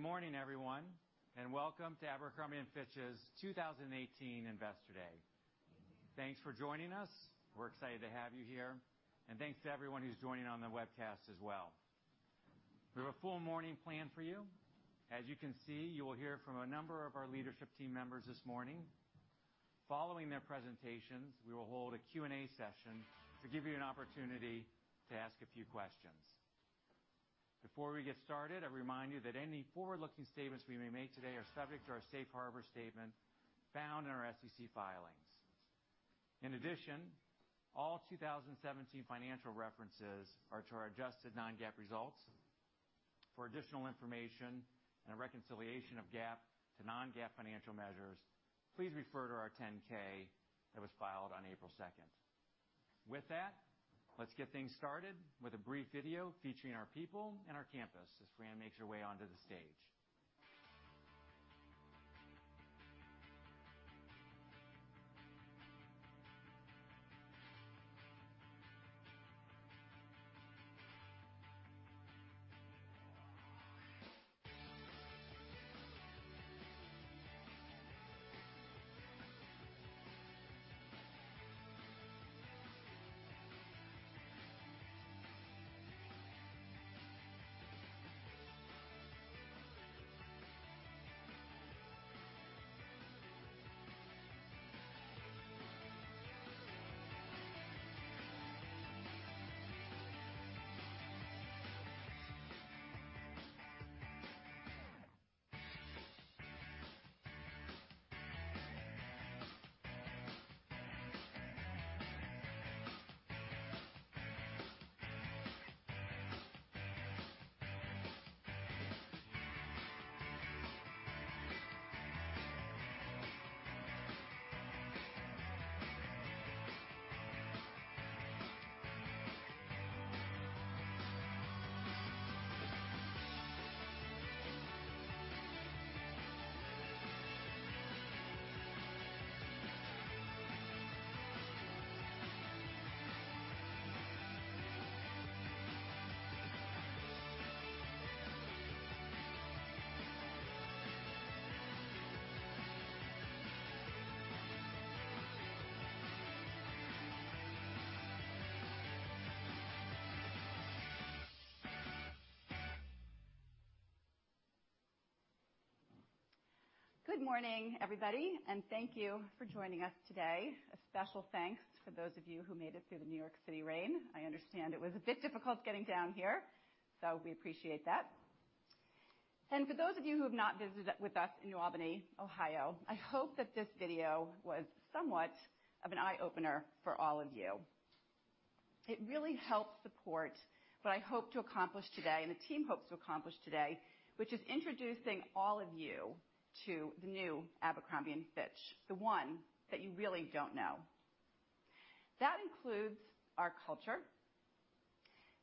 Good morning, everyone, and welcome to Abercrombie & Fitch's 2018 Investor Day. Thanks for joining us. We're excited to have you here, and thanks to everyone who's joining on the webcast as well. We have a full morning planned for you. As you can see, you will hear from a number of our leadership team members this morning. Following their presentations, we will hold a Q&A session to give you an opportunity to ask a few questions. Before we get started, I remind you that any forward-looking statements we may make today are subject to our safe harbor statement found in our SEC filings. In addition, all 2017 financial references are to our adjusted non-GAAP results. For additional information and a reconciliation of GAAP to non-GAAP financial measures, please refer to our 10-K that was filed on April 2nd. With that, let's get things started with a brief video featuring our people and our campus as Fran makes her way onto the stage. Good morning, everybody, and thank you for joining us today. A special thanks for those of you who made it through the New York City rain. I understand it was a bit difficult getting down here. We appreciate that. For those of you who have not visited with us in New Albany, Ohio, I hope that this video was somewhat of an eye-opener for all of you. It really helps support what I hope to accomplish today, and the team hopes to accomplish today, which is introducing all of you to the new Abercrombie & Fitch, the one that you really don't know. That includes our culture,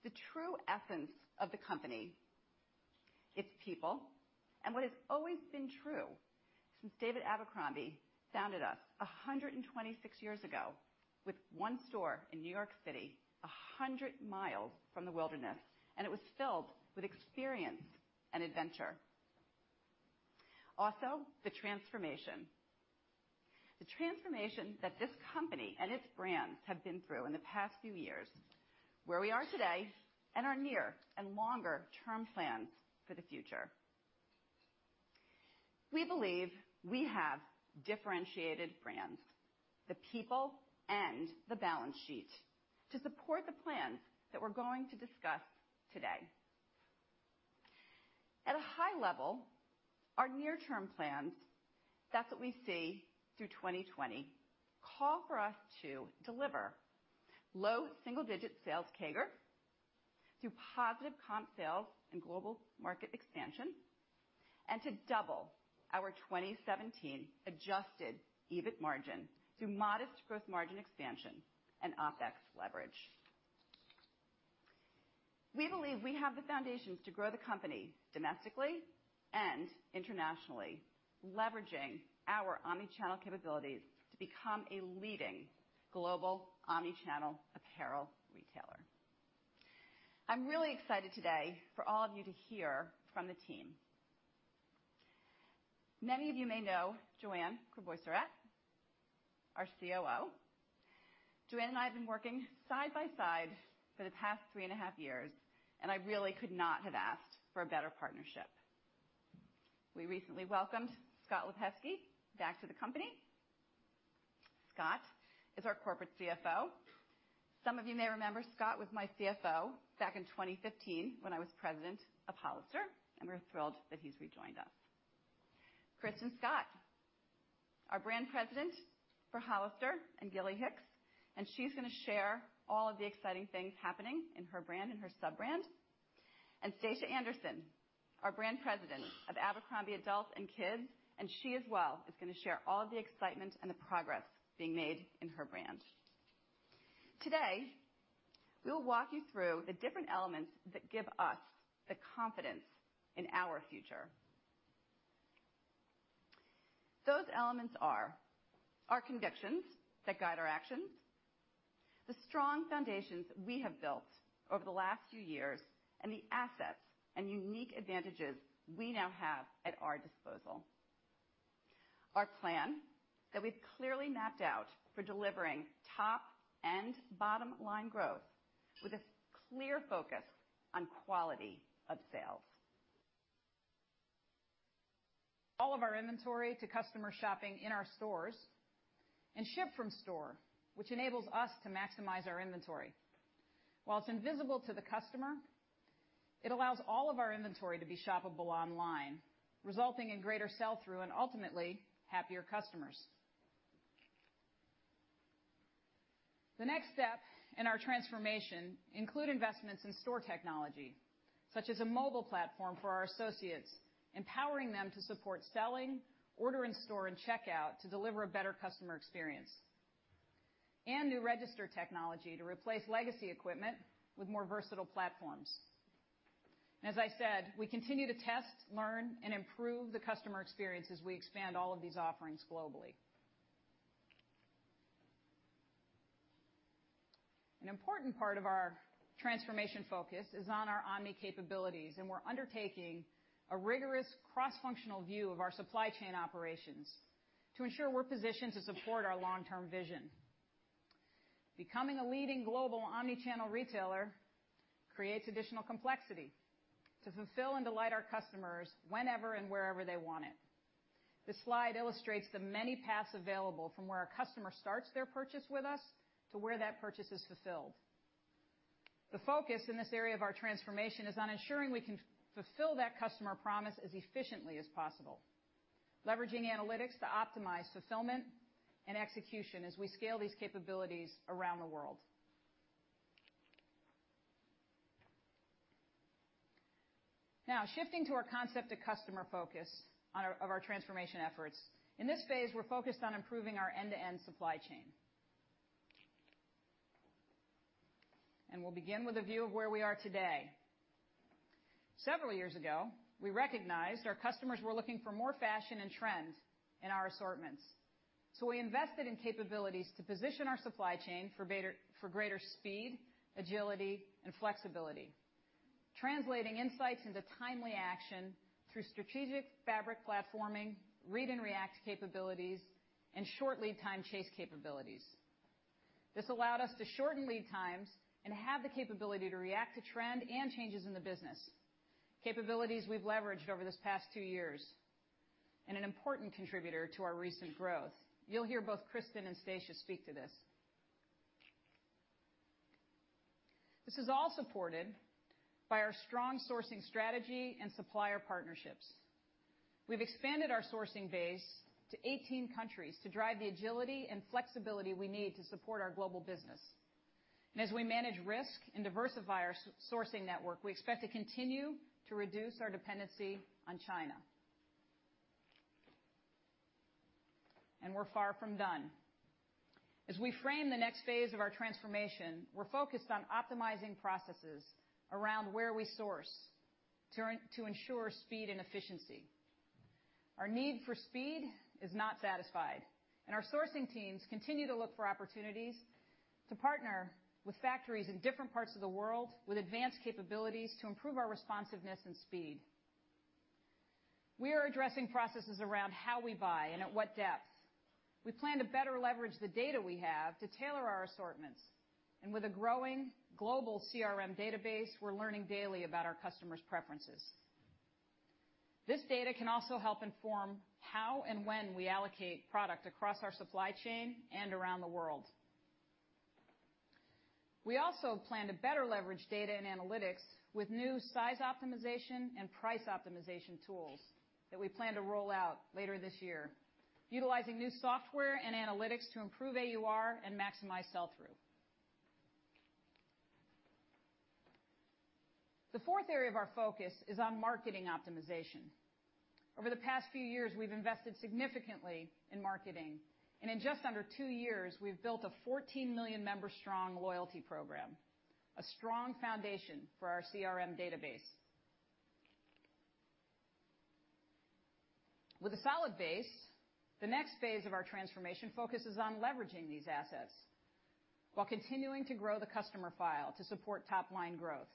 the true essence of the company, its people, and what has always been true since David Abercrombie founded us 126 years ago with one store in New York City, 100 miles from the wilderness, and it was filled with experience and adventure. Also, the transformation. The transformation that this company and its brands have been through in the past few years, where we are today, and our near and longer-term plans for the future. We believe we have differentiated brands, the people and the balance sheet to support the plans that we're going to discuss today. At a high level, our near-term plans, that's what we see through 2020, call for us to deliver low single-digit sales CAGR through positive comp sales and global market expansion, and to double our 2017 adjusted EBIT margin through modest gross margin expansion and OpEx leverage. We believe we have the foundations to grow the company domestically and internationally, leveraging our omni-channel capabilities to become a leading global omni-channel apparel retailer. I'm really excited today for all of you to hear from the team. Many of you may know Joanne Crevoiserat, our COO. Joanne and I have been working side by side for the past three and a half years, I really could not have asked for a better partnership. We recently welcomed Scott Lipesky back to the company. Scott is our corporate CFO. Some of you may remember Scott was my CFO back in 2015 when I was President of Hollister, and we're thrilled that he's rejoined us. Kristin Scott, our Brand President for Hollister and Gilly Hicks, she's going to share all of the exciting things happening in her brand and her sub-brand. Stacia Andersen, our Brand President of Abercrombie Adults and Kids, she as well is going to share all of the excitement and the progress being made in her brand. Today, we will walk you through the different elements that give us the confidence in our future. Those elements are our convictions that guide our actions, the strong foundations we have built over the last few years, the assets and unique advantages we now have at our disposal. Our plan that we've clearly mapped out for delivering top and bottom-line growth with a clear focus on quality of sales. All of our inventory to customer shopping in our stores and ship-from-store, which enables us to maximize our inventory. While it's invisible to the customer, it allows all of our inventory to be shoppable online, resulting in greater sell-through and ultimately happier customers. The next step in our transformation include investments in store technology, such as a mobile platform for our associates, empowering them to support selling, order in store, and checkout to deliver a better customer experience, new register technology to replace legacy equipment with more versatile platforms. As I said, we continue to test, learn, and improve the customer experience as we expand all of these offerings globally. An important part of our transformation focus is on our omni-capabilities, we're undertaking a rigorous cross-functional view of our supply chain operations to ensure we're positioned to support our long-term vision. Becoming a leading global omni-channel retailer creates additional complexity to fulfill and delight our customers whenever and wherever they want it. This slide illustrates the many paths available from where our customer starts their purchase with us to where that purchase is fulfilled. The focus in this area of our transformation is on ensuring we can fulfill that customer promise as efficiently as possible, leveraging analytics to optimize fulfillment and execution as we scale these capabilities around the world. Now, shifting to our concept-to-customer focus of our transformation efforts. In this phase, we're focused on improving our end-to-end supply chain. We'll begin with a view of where we are today. Several years ago, we recognized our customers were looking for more fashion and trend in our assortments. We invested in capabilities to position our supply chain for greater speed, agility, and flexibility. Translating insights into timely action through strategic fabric platforming, read and react capabilities, and short lead time chase capabilities. This allowed us to shorten lead times and have the capability to react to trend and changes in the business, capabilities we've leveraged over these past two years, and an important contributor to our recent growth. You'll hear both Kristin and Stacia speak to this. This is all supported by our strong sourcing strategy and supplier partnerships. We've expanded our sourcing base to 18 countries to drive the agility and flexibility we need to support our global business. As we manage risk and diversify our sourcing network, we expect to continue to reduce our dependency on China. We're far from done. As we frame the next phase of our transformation, we're focused on optimizing processes around where we source to ensure speed and efficiency. Our need for speed is not satisfied. Our sourcing teams continue to look for opportunities to partner with factories in different parts of the world with advanced capabilities to improve our responsiveness and speed. We are addressing processes around how we buy and at what depth. We plan to better leverage the data we have to tailor our assortments. With a growing global CRM database, we're learning daily about our customers' preferences. This data can also help inform how and when we allocate product across our supply chain and around the world. We also plan to better leverage data and analytics with new size optimization and price optimization tools that we plan to roll out later this year, utilizing new software and analytics to improve AUR and maximize sell-through. The fourth area of our focus is on marketing optimization. Over the past few years, we've invested significantly in marketing, and in just under two years, we've built a 14 million member strong loyalty program, a strong foundation for our CRM database. With a solid base, the next phase of our transformation focuses on leveraging these assets while continuing to grow the customer file to support top-line growth.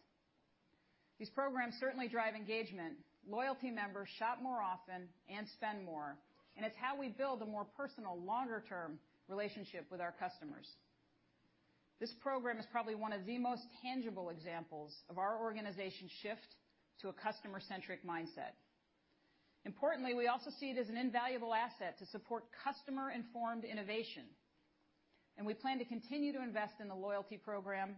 These programs certainly drive engagement. Loyalty members shop more often and spend more. It's how we build a more personal, longer-term relationship with our customers. This program is probably one of the most tangible examples of our organization shift to a customer-centric mindset. Importantly, we also see it as an invaluable asset to support customer-informed innovation. We plan to continue to invest in the loyalty program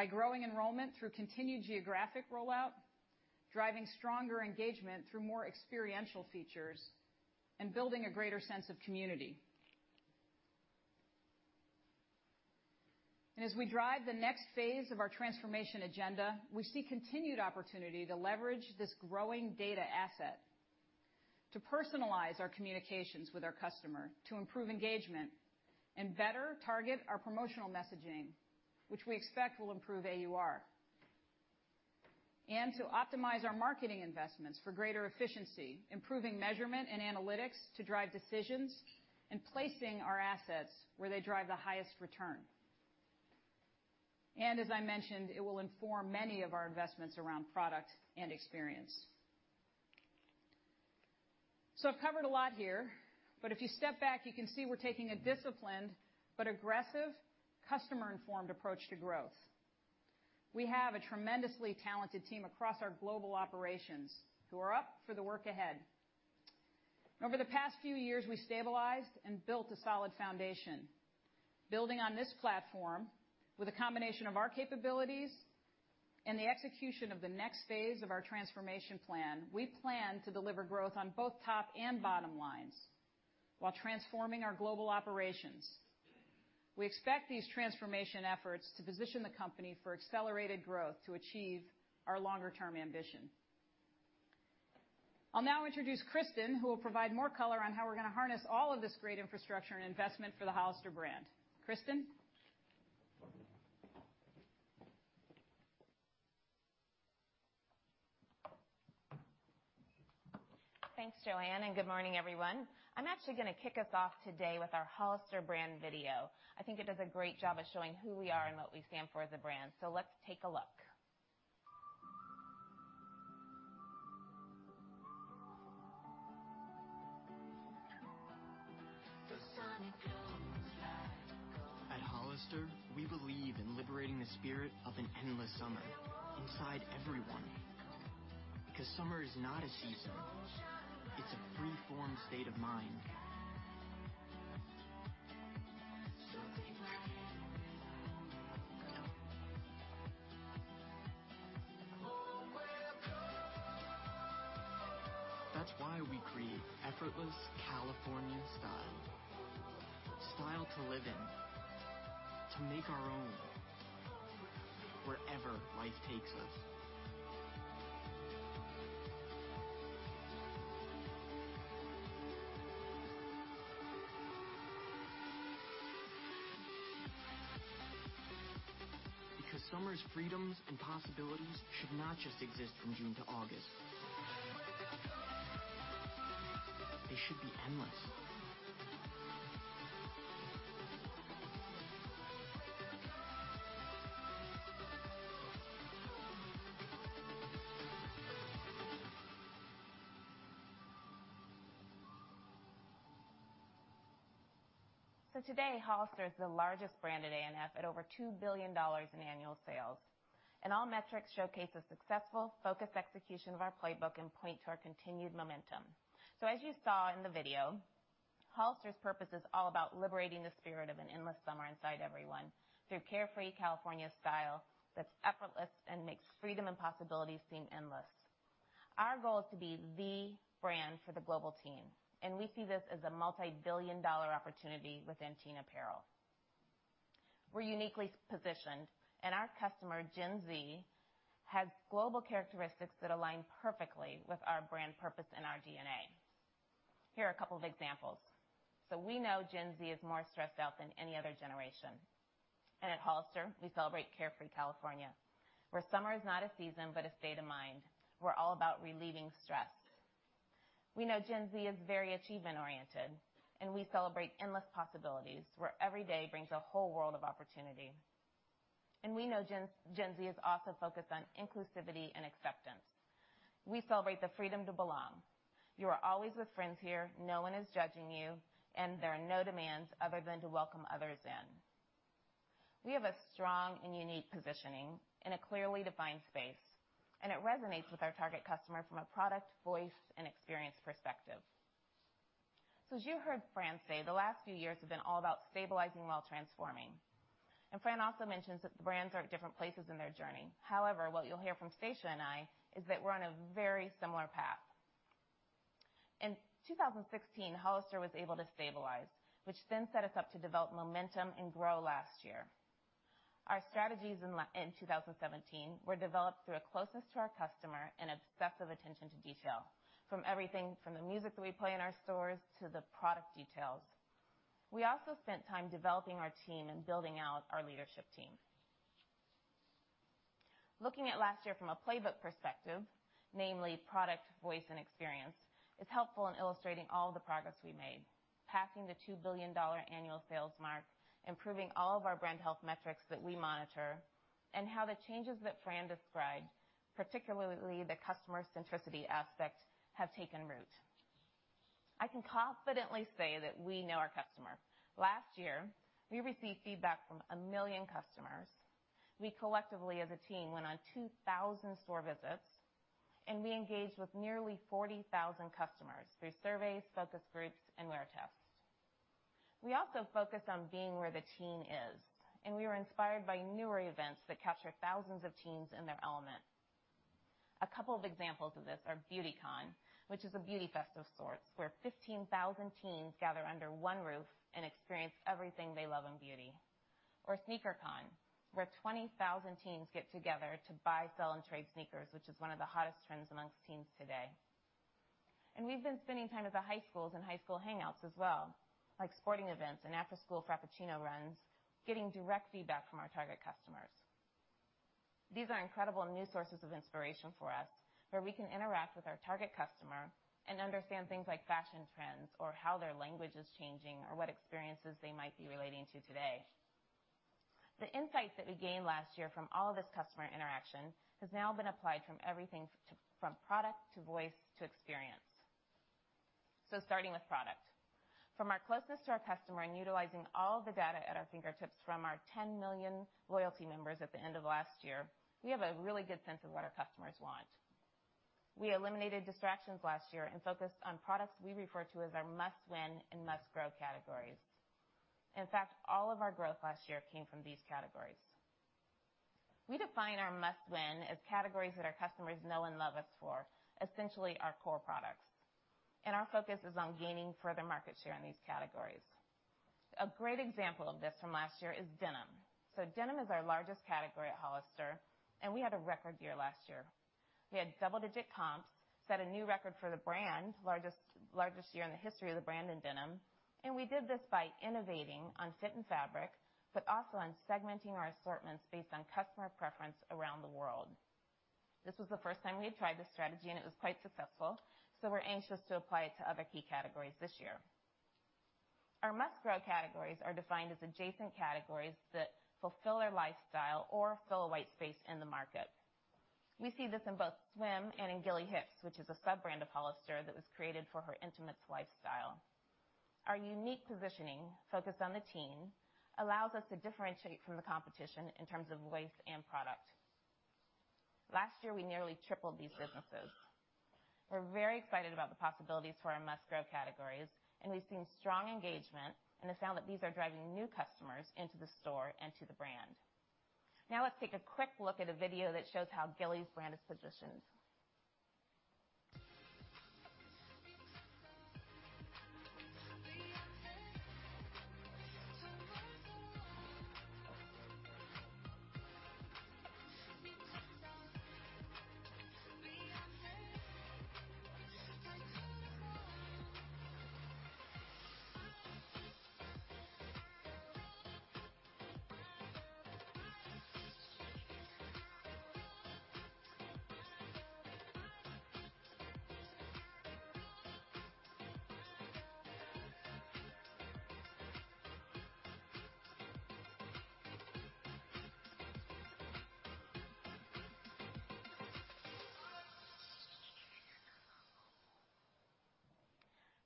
by growing enrollment through continued geographic rollout, driving stronger engagement through more experiential features, and building a greater sense of community. As we drive the next phase of our transformation agenda, we see continued opportunity to leverage this growing data asset to personalize our communications with our customer, to improve engagement and better target our promotional messaging, which we expect will improve AUR. To optimize our marketing investments for greater efficiency, improving measurement and analytics to drive decisions, and placing our assets where they drive the highest return. As I mentioned, it will inform many of our investments around product and experience. I've covered a lot here, but if you step back, you can see we're taking a disciplined but aggressive customer-informed approach to growth. We have a tremendously talented team across our global operations who are up for the work ahead. Over the past few years, we stabilized and built a solid foundation. Building on this platform with a combination of our capabilities and the execution of the next phase of our transformation plan, we plan to deliver growth on both top and bottom lines while transforming our global operations. We expect these transformation efforts to position the company for accelerated growth to achieve our longer-term ambition. I'll now introduce Kristin, who will provide more color on how we're going to harness all of this great infrastructure and investment for the Hollister brand. Kristin? Thanks, Joanne, and good morning, everyone. I'm actually going to kick us off today with our Hollister brand video. I think it does a great job of showing who we are and what we stand for as a brand. Let's take a look. At Hollister, we believe in liberating the spirit of an endless summer inside everyone, because summer is not a season. It's a free-form state of mind. That's why we create effortless Californian style. Style to live in, to make our own, wherever life takes us. Because summer's freedoms and possibilities should not just exist from June to August. They should be endless. Today, Hollister is the largest brand at ANF at over $2 billion in annual sales. All metrics showcase a successful, focused execution of our playbook and point to our continued momentum. As you saw in the video, Hollister's purpose is all about liberating the spirit of an endless summer inside everyone through carefree California style that's effortless and makes freedom and possibilities seem endless. Our goal is to be the brand for the global teen, and we see this as a multibillion-dollar opportunity within teen apparel. We're uniquely positioned, and our customer, Gen Z, has global characteristics that align perfectly with our brand purpose and our DNA. Here are a couple of examples. We know Gen Z is more stressed out than any other generation. At Hollister, we celebrate carefree California, where summer is not a season but a state of mind. We're all about relieving stress. We know Gen Z is very achievement-oriented, and we celebrate endless possibilities where every day brings a whole world of opportunity. We know Gen Z is also focused on inclusivity and acceptance. We celebrate the freedom to belong. You are always with friends here, no one is judging you, and there are no demands other than to welcome others in. We have a strong and unique positioning in a clearly defined space, and it resonates with our target customer from a product, voice, and experience perspective. As you heard Fran say, the last few years have been all about stabilizing while transforming. Fran also mentions that the brands are at different places in their journey. However, what you'll hear from Stacia and I is that we're on a very similar path. In 2016, Hollister was able to stabilize, which then set us up to develop momentum and grow last year. Our strategies in 2017 were developed through a closeness to our customer and obsessive attention to detail, from everything from the music that we play in our stores to the product details. We also spent time developing our team and building out our leadership team. Looking at last year from a playbook perspective, namely product, voice, and experience, is helpful in illustrating all the progress we made, passing the $2 billion annual sales mark, improving all of our brand health metrics that we monitor, and how the changes that Fran described, particularly the customer centricity aspect, have taken root. I can confidently say that we know our customer. Last year, we received feedback from 1 million customers. We collectively as a team, went on 2,000 store visits, and we engaged with nearly 40,000 customers through surveys, focus groups, and wear tests. We also focused on being where the teen is, and we were inspired by newer events that capture thousands of teens in their element. A couple of examples of this are Beautycon, which is a beauty fest of sorts where 15,000 teens gather under one roof and experience everything they love in beauty. Sneakercon, where 20,000 teens get together to buy, sell, and trade sneakers, which is one of the hottest trends amongst teens today. We've been spending time at the high schools and high school hangouts as well, like sporting events and after-school Frappuccino runs, getting direct feedback from our target customers. These are incredible new sources of inspiration for us, where we can interact with our target customer and understand things like fashion trends or how their language is changing or what experiences they might be relating to today. The insights that we gained last year from all of this customer interaction has now been applied from everything from product to voice to experience. Starting with product. From our closeness to our customer and utilizing all the data at our fingertips from our 10 million loyalty members at the end of last year, we have a really good sense of what our customers want. We eliminated distractions last year and focused on products we refer to as our must-win and must-grow categories. In fact, all of our growth last year came from these categories. We define our must-win as categories that our customers know and love us for, essentially our core products. Our focus is on gaining further market share in these categories. A great example of this from last year is denim. Denim is our largest category at Hollister, and we had a record year last year. We had double-digit comps, set a new record for the brand, largest year in the history of the brand in denim. We did this by innovating on fit and fabric, but also on segmenting our assortments based on customer preference around the world. This was the first time we had tried this strategy, and it was quite successful, so we're anxious to apply it to other key categories this year. Our must-grow categories are defined as adjacent categories that fulfill our lifestyle or fill a white space in the market. We see this in both swim and in Gilly Hicks, which is a sub-brand of Hollister that was created for her intimates lifestyle. Our unique positioning focused on the teen allows us to differentiate from the competition in terms of voice and product. Last year, we nearly tripled these businesses. We're very excited about the possibilities for our must-grow categories, and we've seen strong engagement and have found that these are driving new customers into the store and to the brand. Let's take a quick look at a video that shows how Gilly's brand is positioned.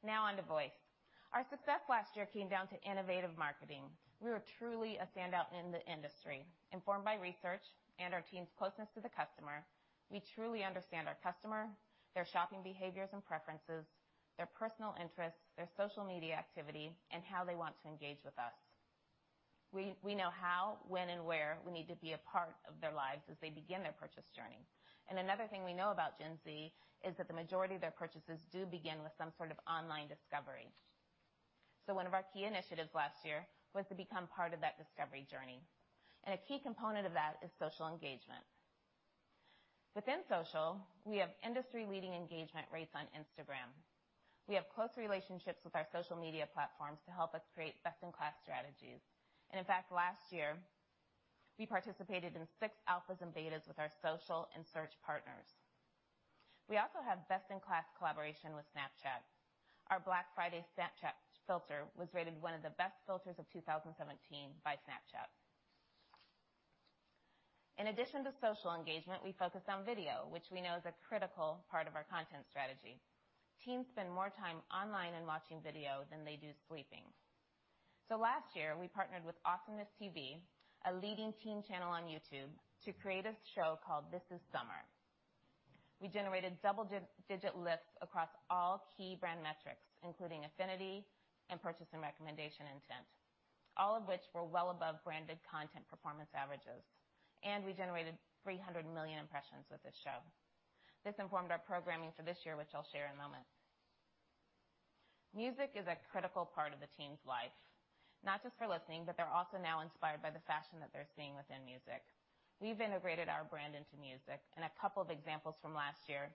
On to voice. Our success last year came down to innovative marketing. We were truly a standout in the industry. Informed by research and our team's closeness to the customer, we truly understand our customer, their shopping behaviors and preferences, their personal interests, their social media activity, and how they want to engage with us. We know how, when, and where we need to be a part of their lives as they begin their purchase journey. Another thing we know about Gen Z is that the majority of their purchases do begin with some sort of online discovery. One of our key initiatives last year was to become part of that discovery journey. A key component of that is social engagement. Within social, we have industry-leading engagement rates on Instagram. We have close relationships with our social media platforms to help us create best-in-class strategies. In fact, last year, we participated in six alphas and betas with our social and search partners. We also have best-in-class collaboration with Snapchat. Our Black Friday Snapchat filter was rated one of the best filters of 2017 by Snapchat. In addition to social engagement, we focused on video, which we know is a critical part of our content strategy. Teens spend more time online and watching video than they do sleeping. Last year, we partnered with AwesomenessTV, a leading teen channel on YouTube, to create a show called "This Is Summer." We generated double-digit lifts across all key brand metrics, including affinity and purchase and recommendation intent, all of which were well above branded content performance averages. We generated 300 million impressions with this show. This informed our programming for this year, which I'll share in a moment. Music is a critical part of the teen's life, not just for listening, but they're also now inspired by the fashion that they're seeing within music. We've integrated our brand into music, and a couple of examples from last year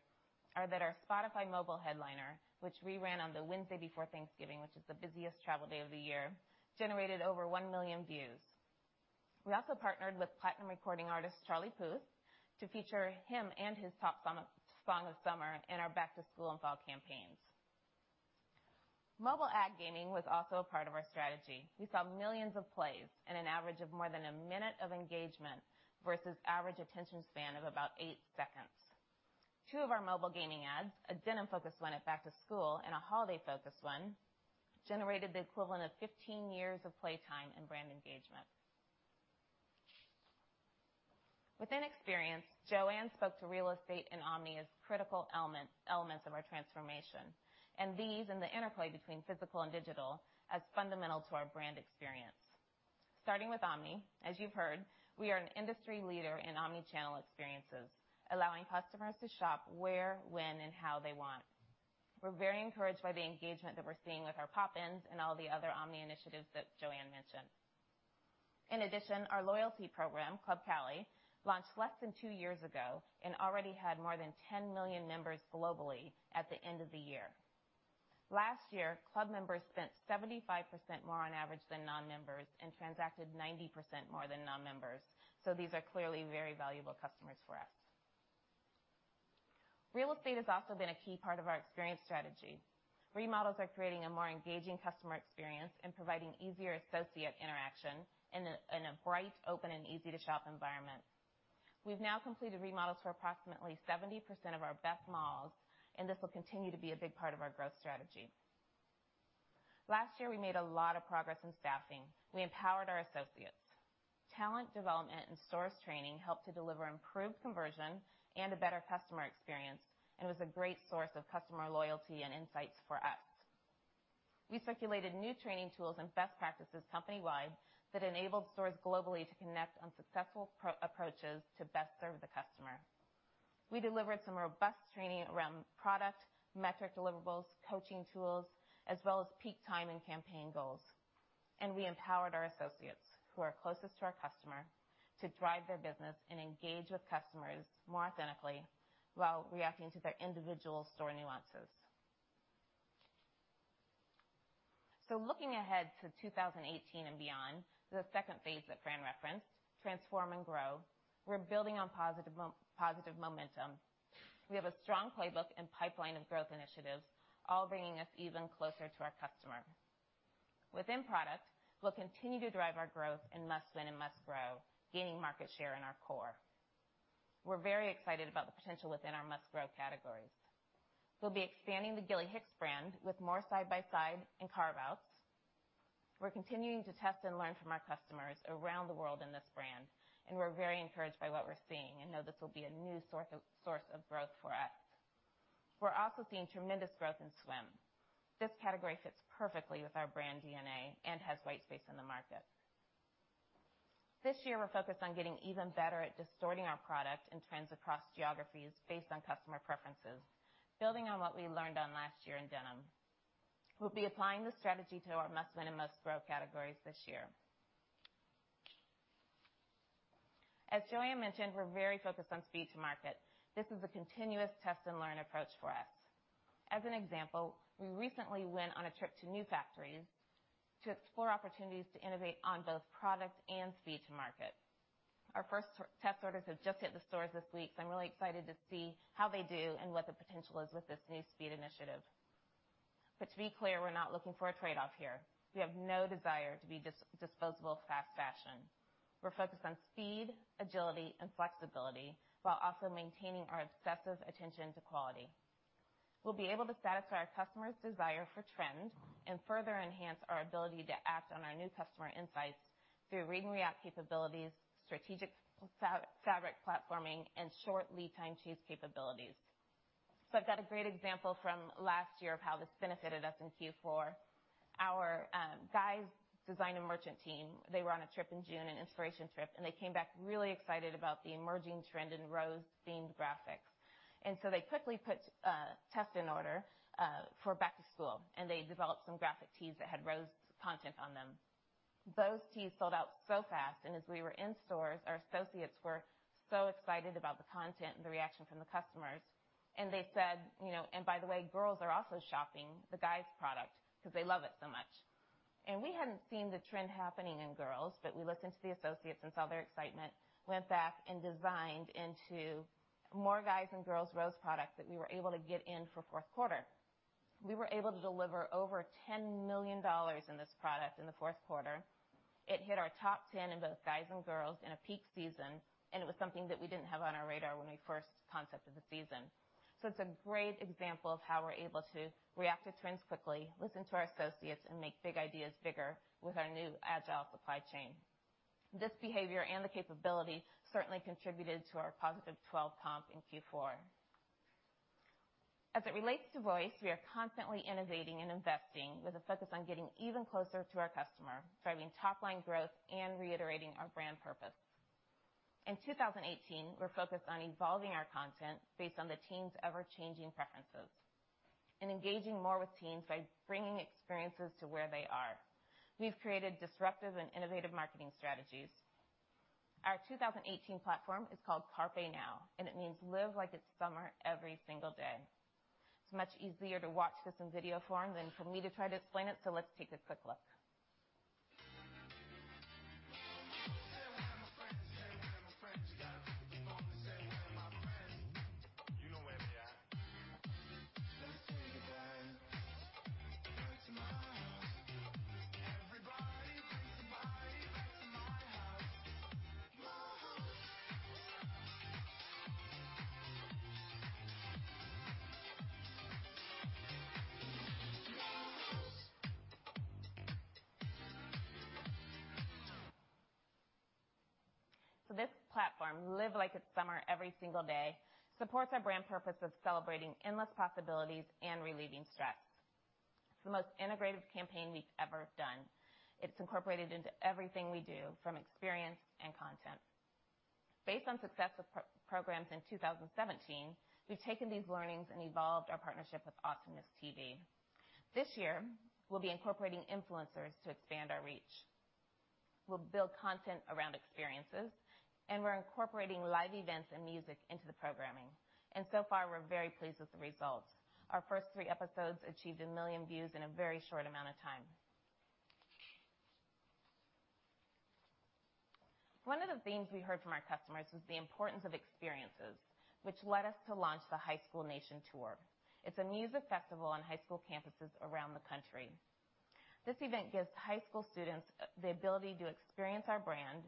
are that our Spotify mobile headliner, which we ran on the Wednesday before Thanksgiving, which is the busiest travel day of the year, generated over 1 million views. We also partnered with platinum recording artist Charlie Puth to feature him and his top song of summer in our back-to-school and fall campaigns. Mobile ad gaming was also a part of our strategy. We saw millions of plays and an average of more than a minute of engagement versus average attention span of about eight seconds. Two of our mobile gaming ads, a denim-focused one at back to school and a holiday-focused one, generated the equivalent of 15 years of playtime and brand engagement. Within experience, Joanne spoke to real estate and omni as critical elements of our transformation, and these and the interplay between physical and digital as fundamental to our brand experience. Starting with omni, as you've heard, we are an industry leader in omni-channel experiences, allowing customers to shop where, when, and how they want. We're very encouraged by the engagement that we're seeing with our pop-ins and all the other omni initiatives that Joanne mentioned. In addition, our loyalty program, Club Cali, launched less than two years ago and already had more than 10 million members globally at the end of the year. Last year, club members spent 75% more on average than non-members and transacted 90% more than non-members. These are clearly very valuable customers for us. Real estate has also been a key part of our experience strategy. Remodels are creating a more engaging customer experience and providing easier associate interaction in a bright, open, and easy-to-shop environment. We've now completed remodels for approximately 70% of our best malls, and this will continue to be a big part of our growth strategy. Last year, we made a lot of progress in staffing. We empowered our associates. Talent development and stores training helped to deliver improved conversion and a better customer experience, and was a great source of customer loyalty and insights for us. We circulated new training tools and best practices company-wide that enabled stores globally to connect on successful approaches to best serve the customer. We delivered some robust training around product, metric deliverables, coaching tools, as well as peak time and campaign goals. We empowered our associates who are closest to our customer to drive their business and engage with customers more authentically while reacting to their individual store nuances. Looking ahead to 2018 and beyond, the second phase that Fran referenced, Transform and Grow, we're building on positive momentum. We have a strong playbook and pipeline of growth initiatives, all bringing us even closer to our customer. Within product, we'll continue to drive our growth in Must Win and Must Grow, gaining market share in our core. We're very excited about the potential within our Must Grow categories. We'll be expanding the Gilly Hicks brand with more side by side and carve-outs. We're continuing to test and learn from our customers around the world in this brand, we're very encouraged by what we're seeing and know this will be a new source of growth for us. We're also seeing tremendous growth in swim. This category fits perfectly with our brand DNA and has white space in the market. This year, we're focused on getting even better at distorting our product and trends across geographies based on customer preferences, building on what we learned on last year in denim. We'll be applying this strategy to our Must Win and Must Grow categories this year. As Joanne mentioned, we're very focused on speed to market. This is a continuous test-and-learn approach for us. As an example, we recently went on a trip to new factories to explore opportunities to innovate on both product and speed to market. Our first test orders have just hit the stores this week, I'm really excited to see how they do and what the potential is with this new speed initiative. To be clear, we're not looking for a trade-off here. We have no desire to be disposable fast fashion. We're focused on speed, agility, and flexibility while also maintaining our obsessive attention to quality. We'll be able to satisfy our customers' desire for trend and further enhance our ability to act on our new customer insights through read and react capabilities, strategic fabric platforming, and short lead time chase capabilities. I've got a great example from last year of how this benefited us in Q4. Our guys design and merchant team, they were on a trip in June, an inspiration trip, they came back really excited about the emerging trend in rose-themed graphics. They quickly put a test in order for back to school, they developed some graphic tees that had rose content on them. Those tees sold out so fast, as we were in stores, our associates were so excited about the content and the reaction from the customers. They said, "By the way, girls are also shopping the guys product because they love it so much." We hadn't seen the trend happening in girls, we listened to the associates and saw their excitement, went back and designed into more guys and girls rose products that we were able to get in for fourth quarter. We were able to deliver over $10 million in this product in the fourth quarter. It hit our top 10 in both guys and girls in a peak season, it was something that we didn't have on our radar when we first concepted the season. It's a great example of how we're able to react to trends quickly, listen to our associates, and make big ideas bigger with our new agile supply chain. This behavior and the capability certainly contributed to our positive 12% comp in Q4. As it relates to voice, we are constantly innovating and investing with a focus on getting even closer to our customer, driving top-line growth and reiterating our brand purpose. In 2018, we're focused on evolving our content based on the teens' ever-changing preferences and engaging more with teens by bringing experiences to where they are. We've created disruptive and innovative marketing strategies. Our 2018 platform is called Carpe Now, and it means live like it's summer every single day. It's much easier to watch this in video form than for me to try to explain it, so let's take a quick look. This platform, Live Like It's Summer Every Single Day, supports our brand purpose of celebrating endless possibilities and relieving stress. It's the most integrated campaign we've ever done. It's incorporated into everything we do, from experience and content. Based on success with programs in 2017, we've taken these learnings and evolved our partnership with AwesomenessTV. This year, we'll be incorporating influencers to expand our reach. We'll build content around experiences, and we're incorporating live events and music into the programming. So far, we're very pleased with the results. Our first three episodes achieved 1 million views in a very short amount of time. One of the themes we heard from our customers was the importance of experiences, which led us to launch the High School Nation tour. It's a music festival on high school campuses around the country. This event gives high school students the ability to experience our brand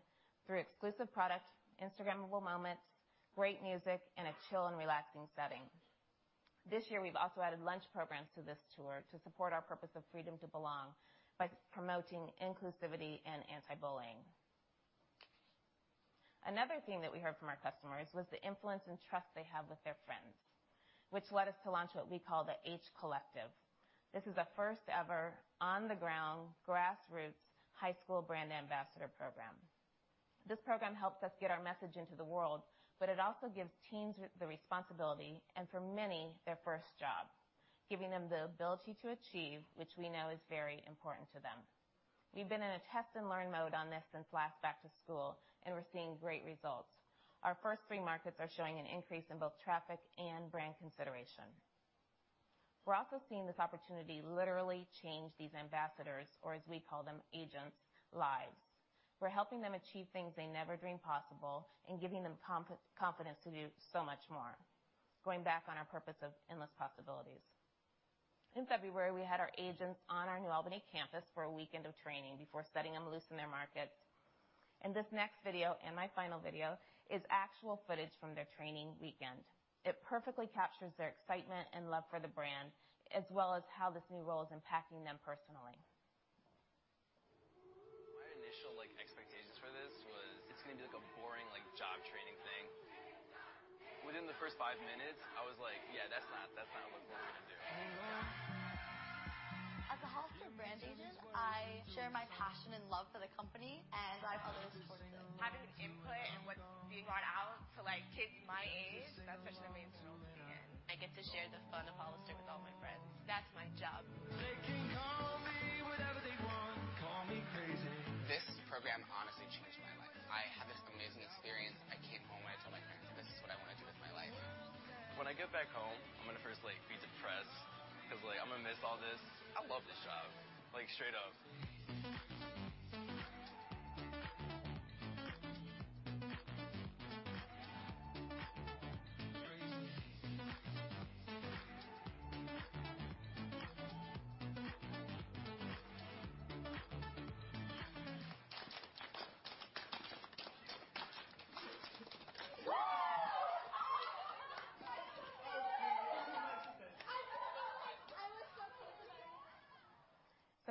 through exclusive products, Instagrammable moments, great music, and a chill and relaxing setting. This year, we've also added lunch programs to this tour to support our purpose of Freedom to Belong by promoting inclusivity and anti-bullying. Another theme that we heard from our customers was the influence and trust they have with their friends, which led us to launch what we call the H Collective. This is a first-ever, on-the-ground, grassroots high school brand ambassador program. This program helps us get our message into the world, but it also gives teens the responsibility, and for many, their first job, giving them the ability to achieve, which we know is very important to them. We've been in a test and learn mode on this since last back to school, we're seeing great results. Our first three markets are showing an increase in both traffic and brand consideration. We're also seeing this opportunity literally change these ambassadors', or as we call them, agents' lives. We're helping them achieve things they never dreamed possible and giving them confidence to do so much more, going back on our purpose of endless possibilities. In February, we had our agents on our New Albany campus for a weekend of training before setting them loose in their markets. This next video, and my final video, is actual footage from their training weekend. It perfectly captures their excitement and love for the brand, as well as how this new role is impacting them personally. My initial expectations for this was it's going to be a boring job training thing. Within the first five minutes, I was like, "Yeah, that's not what we're going to do. As a Hollister brand agent, I share my passion and love for the company. I have others support it too. Having an input in what's being brought out to kids my age, that's such an amazing role to be in. I get to share the fun of Hollister with all my friends. That's my job. This program honestly changed my life. I had this amazing experience. I came home, and I told my parents, "This is what I want to do with my life. When I get back home, I'm gonna first be depressed because I'm going to miss all this. I love this job. Straight up.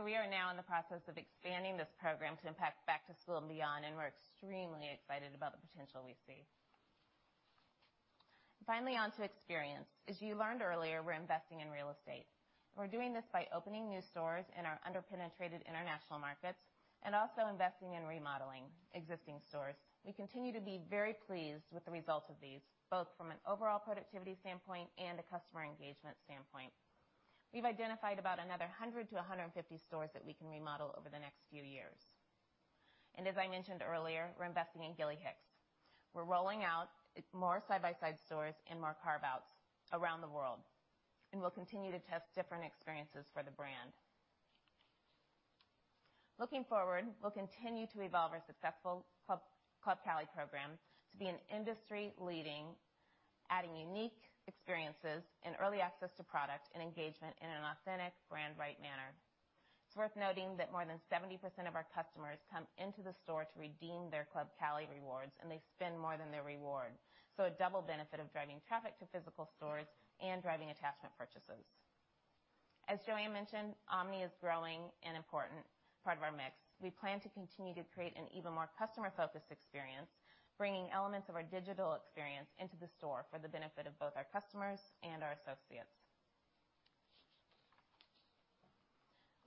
We are now in the process of expanding this program to impact back to school and beyond. We're extremely excited about the potential we see. Finally, on to experience. As you learned earlier, we're investing in real estate. We're doing this by opening new stores in our under-penetrated international markets and also investing in remodeling existing stores. We continue to be very pleased with the results of these, both from an overall productivity standpoint and a customer engagement standpoint. We've identified about another 100 to 150 stores that we can remodel over the next few years. As I mentioned earlier, we're investing in Gilly Hicks. We're rolling out more side-by-side stores and more carve-outs around the world. We'll continue to test different experiences for the brand. Looking forward, we'll continue to evolve our successful Club Cali program to be an industry leading, adding unique experiences and early access to product and engagement in an authentic brand right manner. It's worth noting that more than 70% of our customers come into the store to redeem their Club Cali rewards. They spend more than their reward. A double benefit of driving traffic to physical stores and driving attachment purchases. As Joanne mentioned, omni is growing an important part of our mix. We plan to continue to create an even more customer-focused experience, bringing elements of our digital experience into the store for the benefit of both our customers and our associates.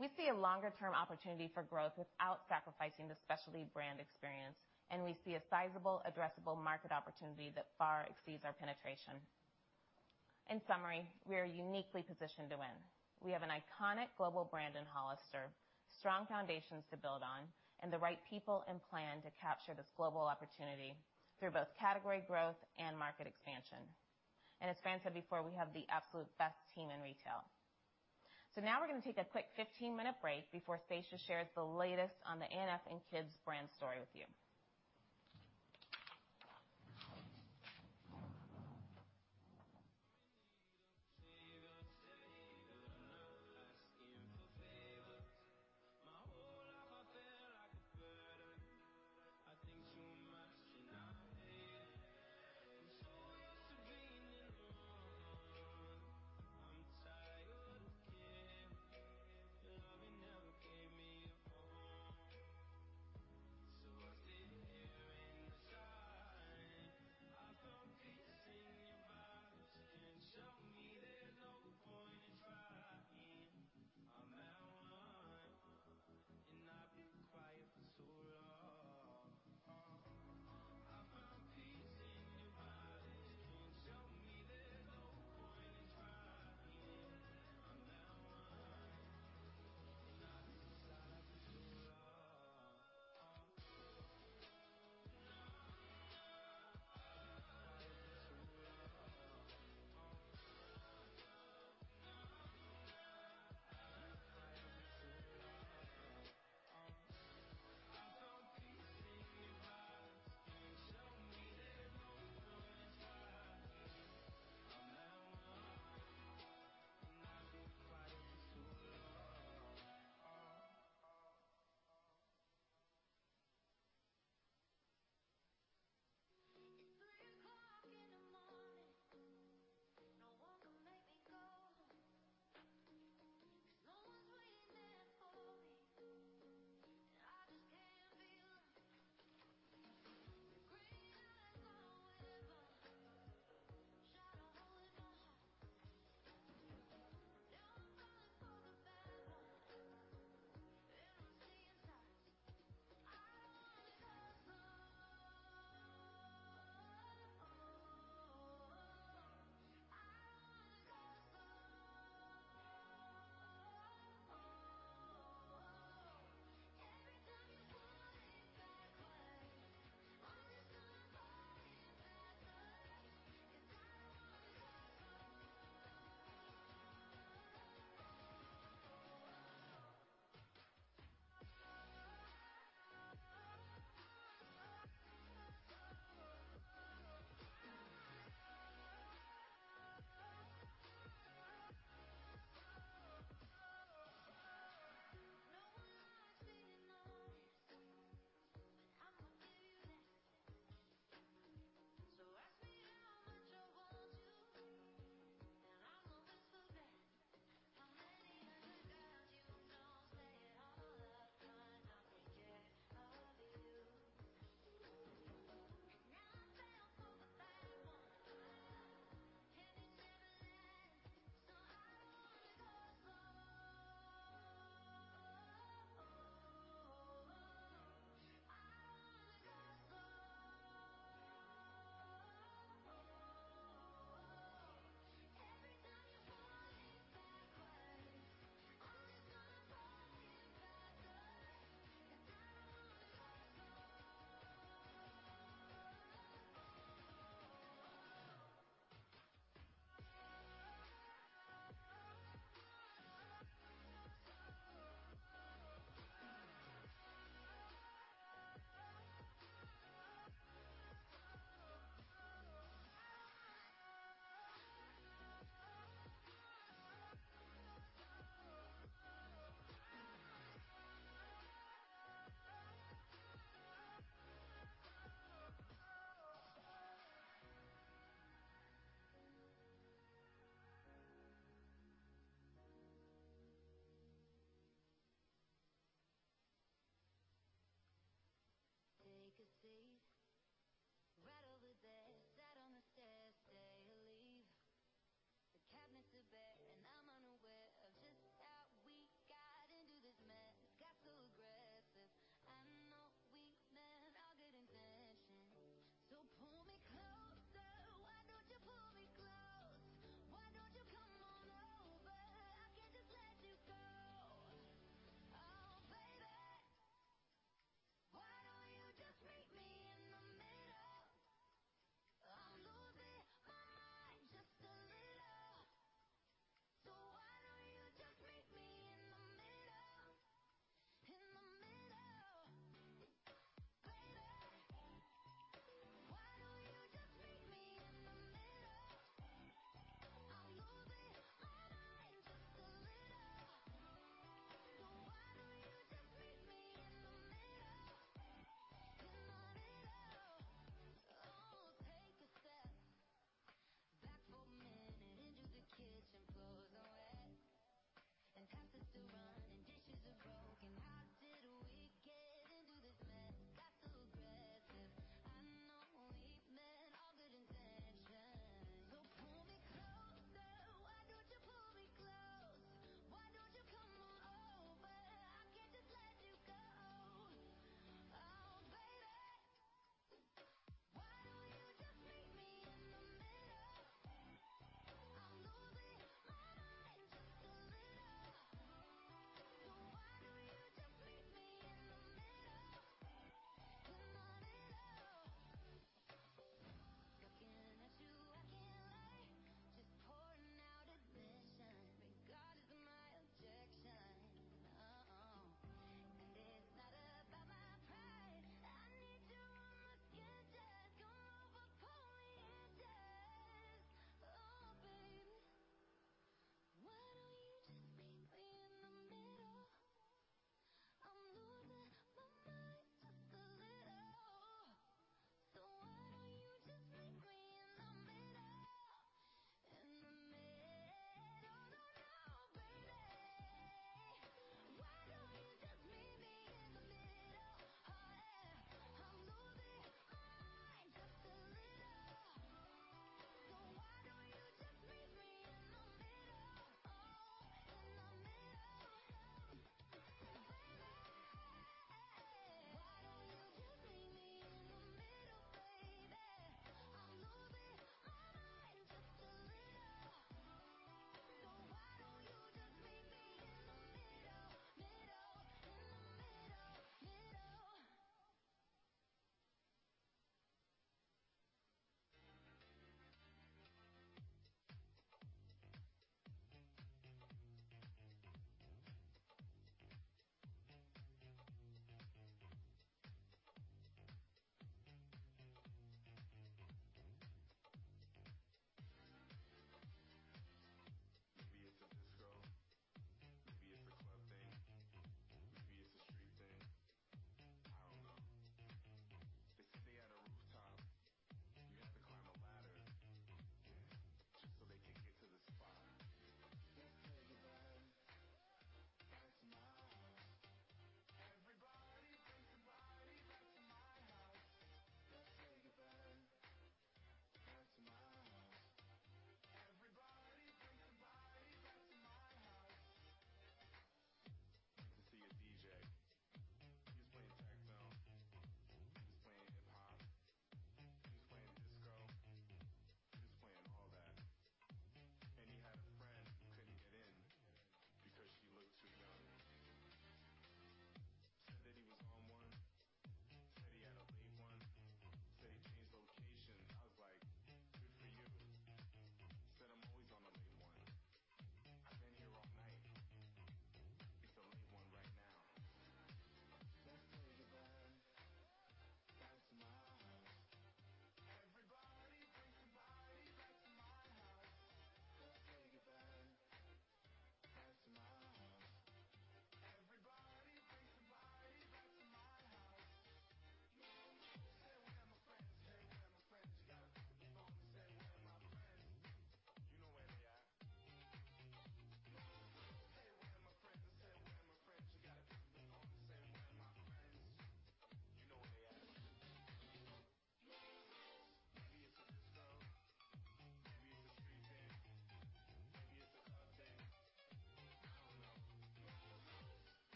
We see a longer-term opportunity for growth without sacrificing the specialty brand experience. We see a sizable addressable market opportunity that far exceeds our penetration. In summary, we are uniquely positioned to win. We have an iconic global brand in Hollister, strong foundations to build on, the right people and plan to capture this global opportunity through both category growth and market expansion. As Fran said before, we have the absolute best team in retail. Now we're going to take a quick 15-minute break before Stacia shares the latest on the ANF and Kids brand story with you.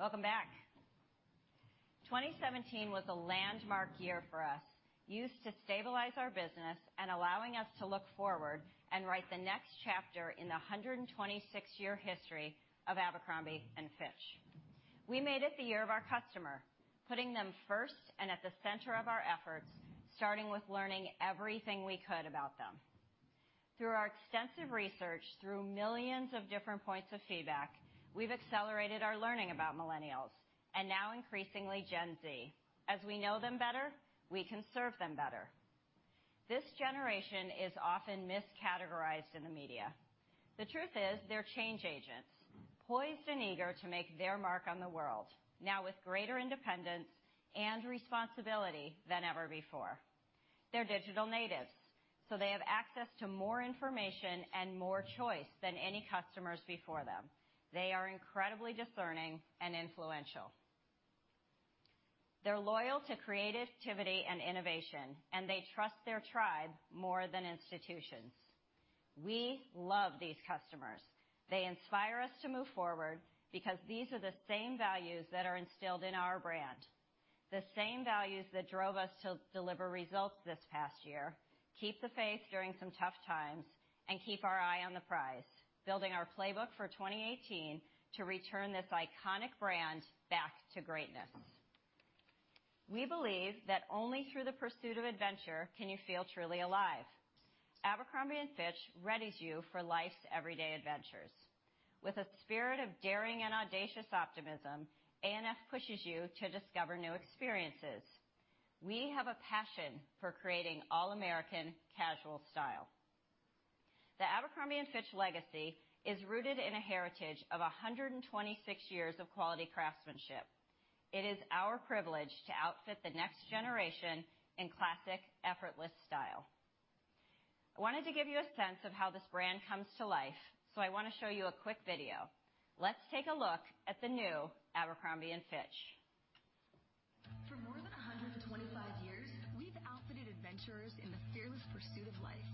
Thanks, Ron. Welcome back. 2017 was a landmark year for us, used to stabilize our business and allowing us to look forward and write the next chapter in the 126-year history of Abercrombie & Fitch. We made it the year of our customer, putting them first and at the center of our efforts, starting with learning everything we could about them. Through our extensive research, through millions of different points of feedback, we've accelerated our learning about millennials, and now increasingly Gen Z. As we know them better, we can serve them better. This generation is often miscategorized in the media. The truth is, they're change agents, poised and eager to make their mark on the world, now with greater independence and responsibility than ever before. They're digital natives. They have access to more information and more choice than any customers before them. They are incredibly discerning and influential. They're loyal to creativity and innovation. They trust their tribe more than institutions. We love these customers. They inspire us to move forward because these are the same values that are instilled in our brand, the same values that drove us to deliver results this past year, keep the faith during some tough times, keep our eye on the prize, building our playbook for 2018 to return this iconic brand back to greatness. We believe that only through the pursuit of adventure can you feel truly alive. Abercrombie & Fitch readies you for life's everyday adventures. With a spirit of daring and audacious optimism, A&F pushes you to discover new experiences. We have a passion for creating all-American casual style. The Abercrombie & Fitch legacy is rooted in a heritage of 126 years of quality craftsmanship. It is our privilege to outfit the next generation in classic, effortless style. I wanted to give you a sense of how this brand comes to life. I want to show you a quick video. Let's take a look at the new Abercrombie & Fitch. For more than 125 years, we've outfitted adventurers in the fearless pursuit of life.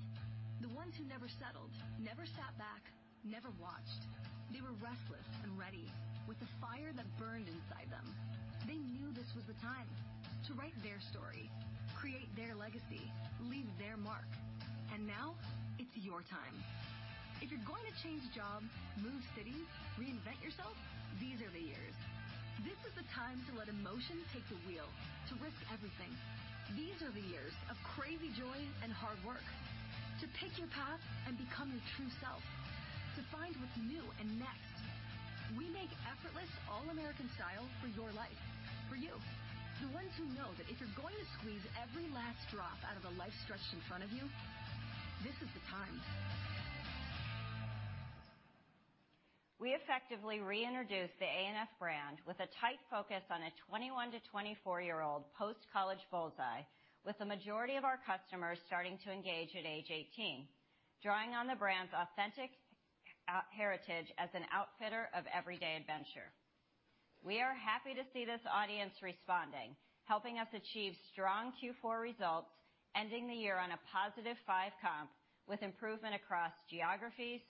The ones who never settled, never sat back, never watched. They were restless and ready with the fire that burned inside them. They knew this was the time to write their story, create their legacy, leave their mark. Now it's your time. If you're going to change jobs, move cities, reinvent yourself, these are the years. This is the time to let emotion take the wheel, to risk everything. These are the years of crazy joy and hard work. To pick your path and become your true self. To find what's new and next. We make effortless all-American style for your life, for you. The ones who know that if you're going to squeeze every last drop out of the life stretched in front of you, this is the time. We effectively reintroduced the A&F brand with a tight focus on a 21 to 24-year-old post-college bullseye, with the majority of our customers starting to engage at age 18, drawing on the brand's authentic heritage as an outfitter of everyday adventure. We are happy to see this audience responding, helping us achieve strong Q4 results, ending the year on a positive five comp with improvement across geographies,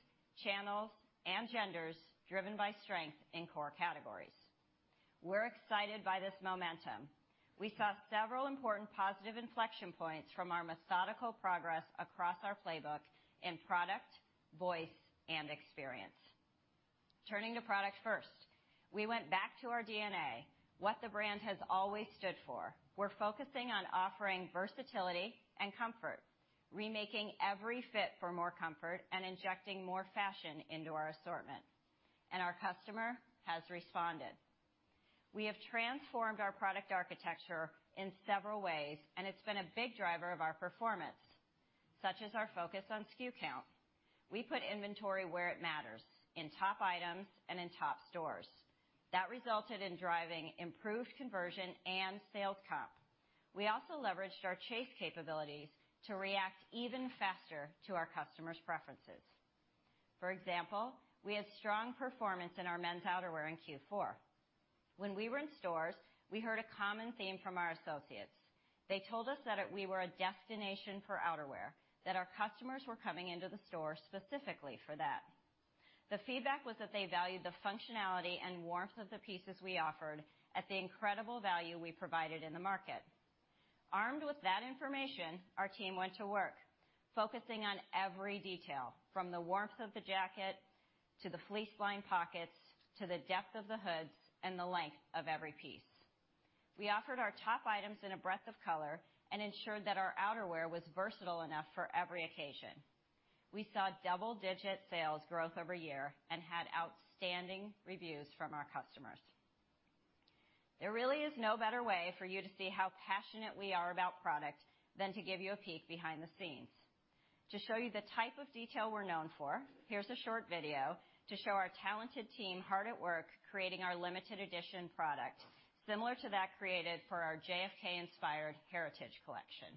channels, and genders driven by strength in core categories. We're excited by this momentum. We saw several important positive inflection points from our methodical progress across our playbook in product, voice, and experience. Turning to product first. We went back to our DNA, what the brand has always stood for. We're focusing on offering versatility and comfort, remaking every fit for more comfort and injecting more fashion into our assortment. Our customer has responded. We have transformed our product architecture in several ways, and it's been a big driver of our performance, such as our focus on SKU count. We put inventory where it matters, in top items and in top stores. That resulted in driving improved conversion and sales comp. We also leveraged our chase capabilities to react even faster to our customers' preferences. For example, we had strong performance in our men's outerwear in Q4. When we were in stores, we heard a common theme from our associates. They told us that we were a destination for outerwear, that our customers were coming into the store specifically for that. The feedback was that they valued the functionality and warmth of the pieces we offered at the incredible value we provided in the market. Armed with that information, our team went to work focusing on every detail, from the warmth of the jacket to the fleece-lined pockets, to the depth of the hoods and the length of every piece. We offered our top items in a breadth of color and ensured that our outerwear was versatile enough for every occasion. We saw double-digit sales growth over year and had outstanding reviews from our customers. There really is no better way for you to see how passionate we are about product than to give you a peek behind the scenes. To show you the type of detail we're known for, here's a short video to show our talented team hard at work, creating our limited edition product, similar to that created for our JFK-inspired heritage collection.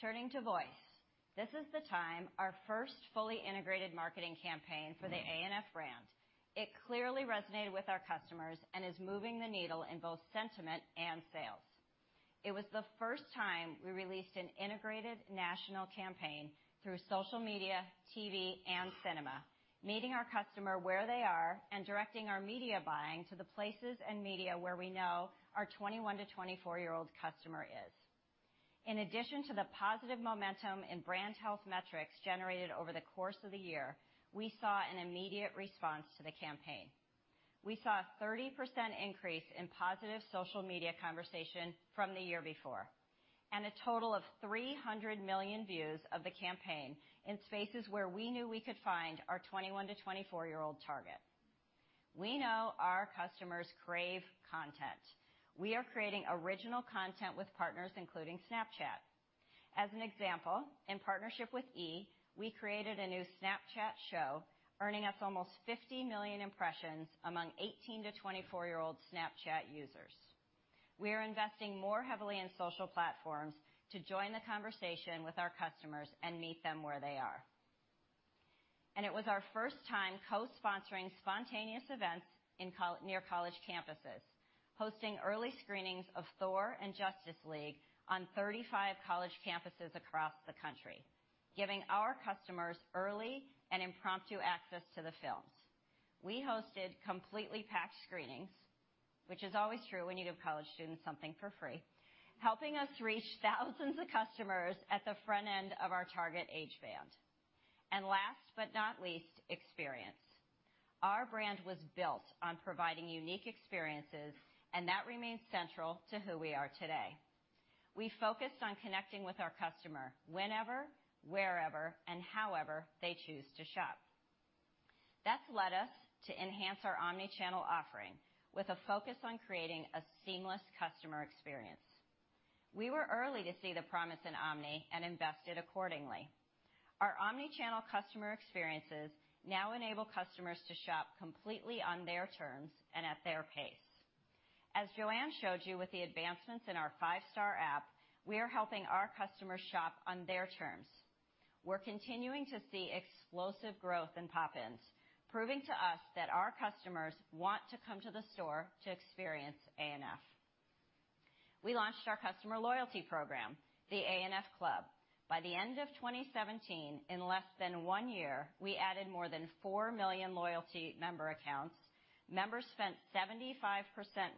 Turning to voice. This is the time, our first fully integrated marketing campaign for the A&F brand. It clearly resonated with our customers and is moving the needle in both sentiment and sales. It was the first time we released an integrated national campaign through social media, TV, and cinema, meeting our customer where they are and directing our media buying to the places and media where we know our 21 to 24-year-old customer is. In addition to the positive momentum in brand health metrics generated over the course of the year, we saw an immediate response to the campaign. We saw a 30% increase in positive social media conversation from the year before, and a total of 300 million views of the campaign in spaces where we knew we could find our 21 to 24-year-old target. We know our customers crave content. We are creating original content with partners, including Snapchat. As an example, in partnership with E!, we created a new Snapchat show earning us almost 50 million impressions among 18 to 24-year-old Snapchat users. We are investing more heavily in social platforms to join the conversation with our customers and meet them where they are. It was our first time co-sponsoring spontaneous events near college campuses, hosting early screenings of "Thor" and "Justice League" on 35 college campuses across the country, giving our customers early and impromptu access to the films. We hosted completely packed screenings, which is always true when you give college students something for free, helping us reach thousands of customers at the front end of our target age band. Last but not least, experience. Our brand was built on providing unique experiences, and that remains central to who we are today. We focused on connecting with our customer whenever, wherever, and however they choose to shop. That's led us to enhance our omni-channel offering with a focus on creating a seamless customer experience. We were early to see the promise in omni and invested accordingly. Our omni-channel customer experiences now enable customers to shop completely on their terms and at their pace. As Joanne showed you with the advancements in our five-star app, we are helping our customers shop on their terms. We're continuing to see explosive growth in pop-ins, proving to us that our customers want to come to the store to experience ANF. We launched our customer loyalty program, the ANF Club. By the end of 2017, in less than one year, we added more than 4 million loyalty member accounts. Members spent 75%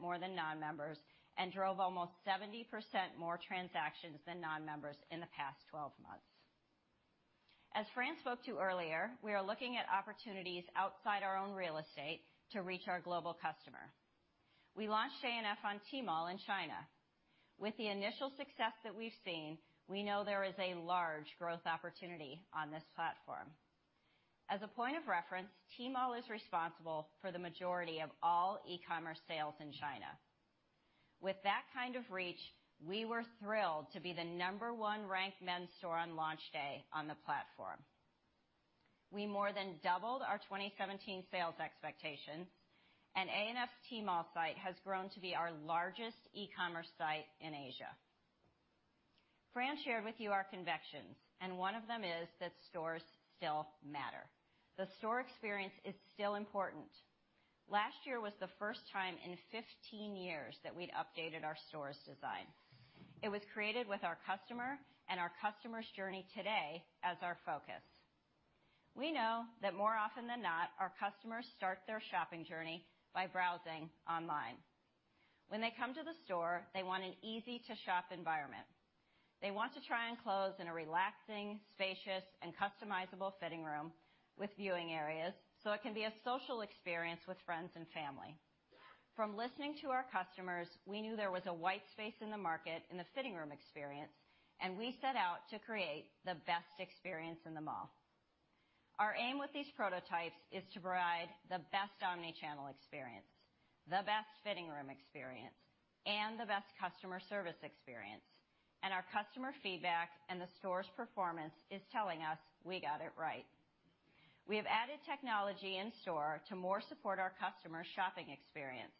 more than non-members and drove almost 70% more transactions than non-members in the past 12 months. As Fran spoke to earlier, we are looking at opportunities outside our own real estate to reach our global customer. We launched ANF on Tmall in China. With the initial success that we've seen, we know there is a large growth opportunity on this platform. As a point of reference, Tmall is responsible for the majority of all e-commerce sales in China. With that kind of reach, we were thrilled to be the number one ranked men's store on launch day on the platform. We more than doubled our 2017 sales expectations, and ANF's Tmall site has grown to be our largest e-commerce site in Asia. Fran shared with you our convictions, one of them is that stores still matter. The store experience is still important. Last year was the first time in 15 years that we'd updated our store design. It was created with our customer and our customer's journey today as our focus. We know that more often than not, our customers start their shopping journey by browsing online. When they come to the store, they want an easy-to-shop environment. They want to try on clothes in a relaxing, spacious, and customizable fitting room with viewing areas so it can be a social experience with friends and family. From listening to our customers, we knew there was a white space in the market in the fitting room experience, and we set out to create the best experience in the mall. Our aim with these prototypes is to provide the best omni-channel experience, the best fitting room experience, and the best customer service experience. Our customer feedback and the stores' performance is telling us we got it right. We have added technology in store to more support our customer shopping experience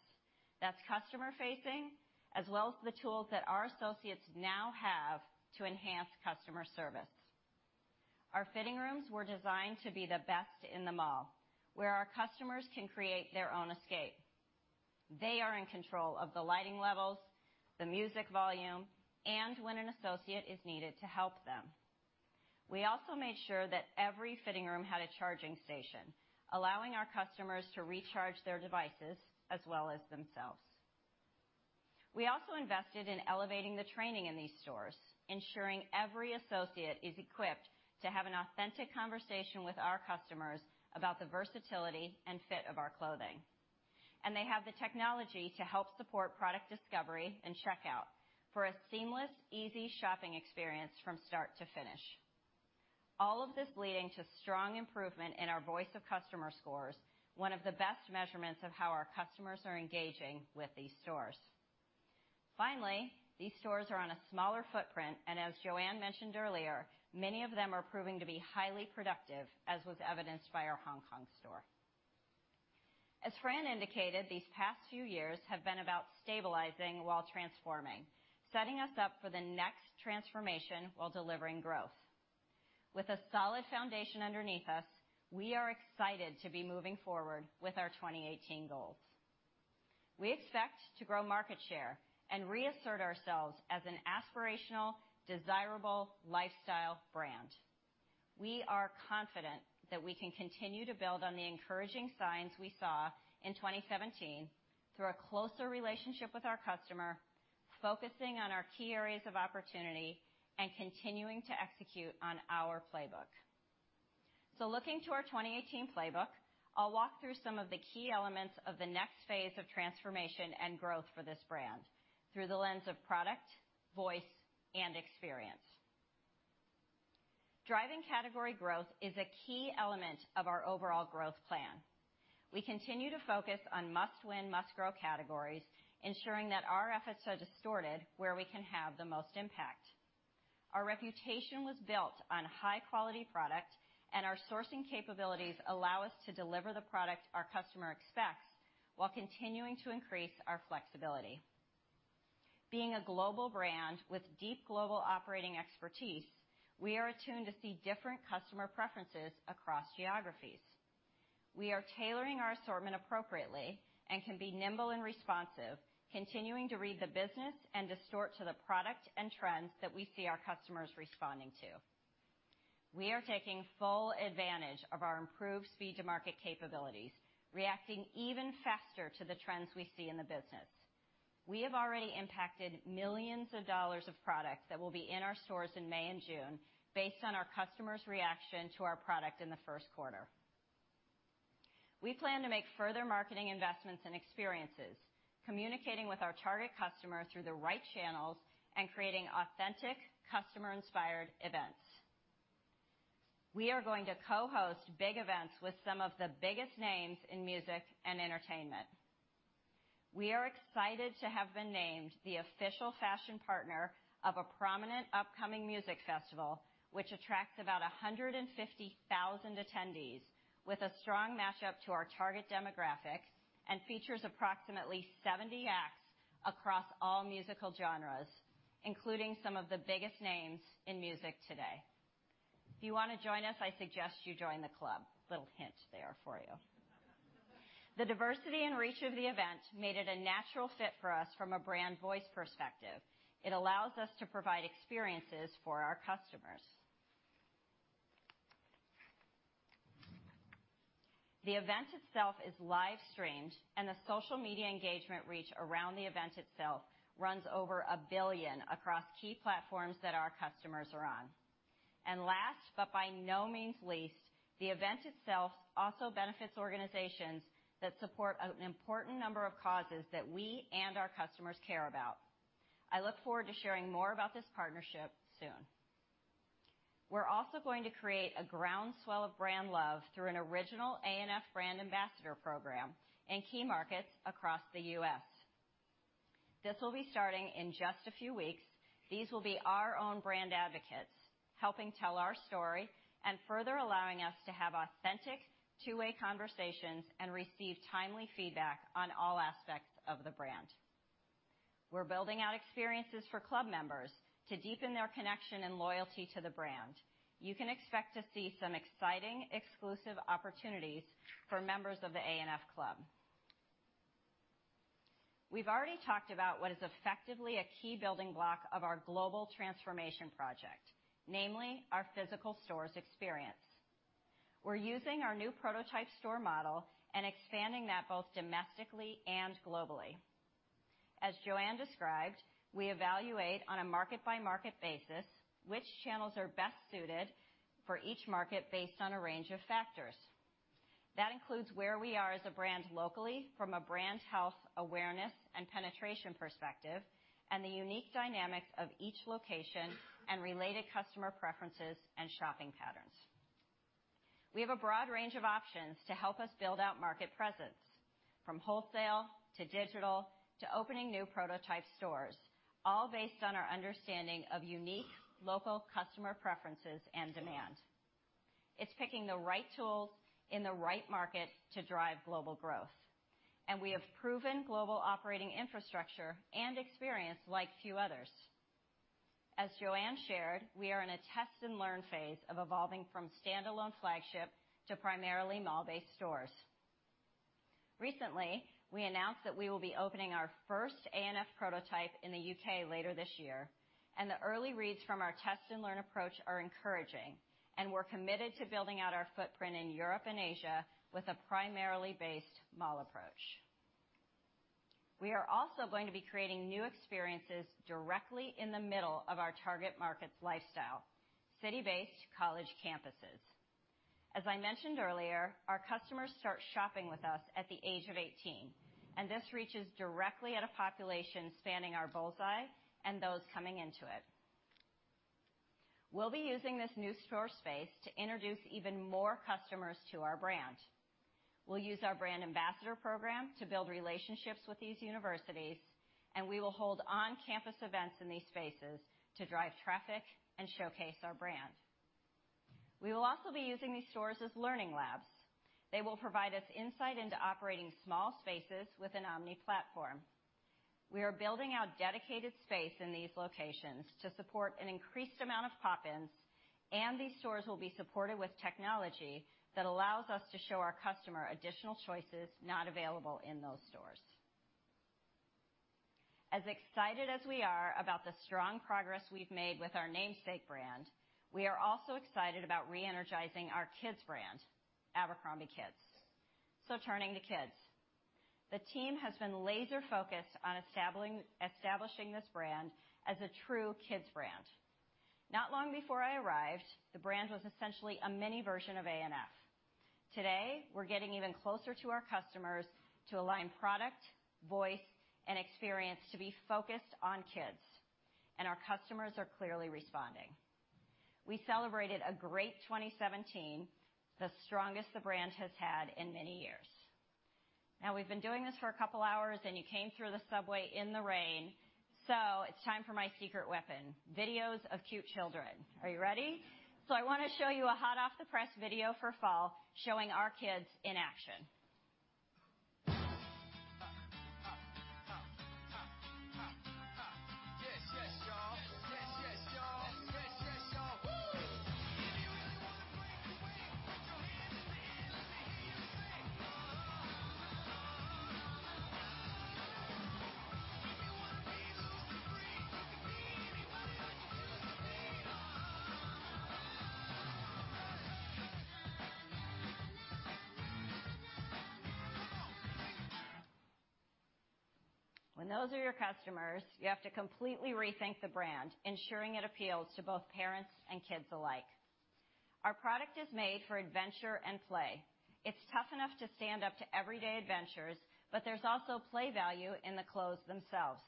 that's customer-facing, as well as the tools that our associates now have to enhance customer service. Our fitting rooms were designed to be the best in the mall, where our customers can create their own escape. They are in control of the lighting levels, the music volume, and when an associate is needed to help them. We also made sure that every fitting room had a charging station, allowing our customers to recharge their devices as well as themselves. We also invested in elevating the training in these stores, ensuring every associate is equipped to have an authentic conversation with our customers about the versatility and fit of our clothing. They have the technology to help support product discovery and checkout for a seamless, easy shopping experience from start to finish. All of this leading to strong improvement in our voice of customer scores, one of the best measurements of how our customers are engaging with these stores. Finally, these stores are on a smaller footprint, and as Joanne mentioned earlier, many of them are proving to be highly productive, as was evidenced by our Hong Kong store. As Fran indicated, these past few years have been about stabilizing while transforming, setting us up for the next transformation while delivering growth. With a solid foundation underneath us, we are excited to be moving forward with our 2018 goals. We expect to grow market share and reassert ourselves as an aspirational, desirable lifestyle brand. We are confident that we can continue to build on the encouraging signs we saw in 2017 through a closer relationship with our customer, focusing on our key areas of opportunity and continuing to execute on our playbook. Looking to our 2018 playbook, I'll walk through some of the key elements of the next phase of transformation and growth for this brand through the lens of product, voice, and experience. Driving category growth is a key element of our overall growth plan. We continue to focus on must-win, must-grow categories, ensuring that our efforts are distorted where we can have the most impact. Our reputation was built on high-quality product, and our sourcing capabilities allow us to deliver the product our customer expects while continuing to increase our flexibility. Being a global brand with deep global operating expertise, we are attuned to see different customer preferences across geographies. We are tailoring our assortment appropriately and can be nimble and responsive, continuing to read the business and to sort to the product and trends that we see our customers responding to. We are taking full advantage of our improved speed to market capabilities, reacting even faster to the trends we see in the business. We have already impacted millions of dollars of product that will be in our stores in May and June based on our customers' reaction to our product in the first quarter. We plan to make further marketing investments and experiences, communicating with our target customer through the right channels and creating authentic customer-inspired events. We are going to co-host big events with some of the biggest names in music and entertainment. We are excited to have been named the official fashion partner of a prominent upcoming music festival, which attracts about 150,000 attendees with a strong mashup to our target demographic and features approximately 70 acts across all musical genres, including some of the biggest names in music today. If you want to join us, I suggest you join the club. Little hint there for you. The diversity and reach of the event made it a natural fit for us from a brand voice perspective. It allows us to provide experiences for our customers. The event itself is live-streamed, and the social media engagement reach around the event itself runs over 1 billion across key platforms that our customers are on. Last, but by no means least, the event itself also benefits organizations that support an important number of causes that we and our customers care about. I look forward to sharing more about this partnership soon. We're also going to create a groundswell of brand love through an original A&F brand ambassador program in key markets across the U.S. This will be starting in just a few weeks. These will be our own brand advocates, helping tell our story and further allowing us to have authentic two-way conversations and receive timely feedback on all aspects of the brand. We're building out experiences for club members to deepen their connection and loyalty to the brand. You can expect to see some exciting exclusive opportunities for members of the ANF Club. We've already talked about what is effectively a key building block of our global transformation project, namely our physical stores experience. We're using our new prototype store model and expanding that both domestically and globally. As Joanne described, we evaluate on a market-by-market basis which channels are best suited for each market based on a range of factors. That includes where we are as a brand locally from a brand health awareness and penetration perspective, and the unique dynamics of each location and related customer preferences and shopping patterns. We have a broad range of options to help us build out market presence, from wholesale to digital to opening new prototype stores, all based on our understanding of unique local customer preferences and demand. It's picking the right tools in the right market to drive global growth. We have proven global operating infrastructure and experience like few others. As Joanne shared, we are in a test and learn phase of evolving from standalone flagship to primarily mall-based stores. Recently, we announced that we will be opening our first A&F prototype in the U.K. later this year, and the early reads from our test-and-learn approach are encouraging, and we're committed to building out our footprint in Europe and Asia with a primarily based mall approach. We are also going to be creating new experiences directly in the middle of our target market's lifestyle, city-based college campuses. As I mentioned earlier, our customers start shopping with us at the age of 18, and this reaches directly at a population spanning our bullseye and those coming into it. We'll be using this new store space to introduce even more customers to our brand. We'll use our brand ambassador program to build relationships with these universities, and we will hold on-campus events in these spaces to drive traffic and showcase our brand. We will also be using these stores as learning labs. They will provide us insight into operating small spaces with an omni-platform. We are building out dedicated space in these locations to support an increased amount of pop-ins, and these stores will be supported with technology that allows us to show our customer additional choices not available in those stores. As excited as we are about the strong progress we've made with our namesake brand, we are also excited about re-energizing our kids brand, abercrombie kids. Turning to kids. The team has been laser-focused on establishing this brand as a true kids brand. Not long before I arrived, the brand was essentially a mini version of A&F. Today, we're getting even closer to our customers to align product, voice, and experience to be focused on kids, and our customers are clearly responding. We celebrated a great 2017, the strongest the brand has had in many years. Now, we've been doing this for a couple of hours, and you came through the subway in the rain, it's time for my secret weapon, videos of cute children. Are you ready? I want to show you a hot-off-the-press video for fall showing our kids in action. Yes, yes y'all. Yes, yes y'all. Yes, yes y'all. Woo. If you really wanna break away, put your hands in the air, let me hear you say, oh, oh. If you wanna be loose and free, you can be anybody you choose to be, oh, oh. Na, na, na, na, na. When those are your customers, you have to completely rethink the brand, ensuring it appeals to both parents and kids alike. Our product is made for adventure and play. It's tough enough to stand up to everyday adventures, but there's also play value in the clothes themselves.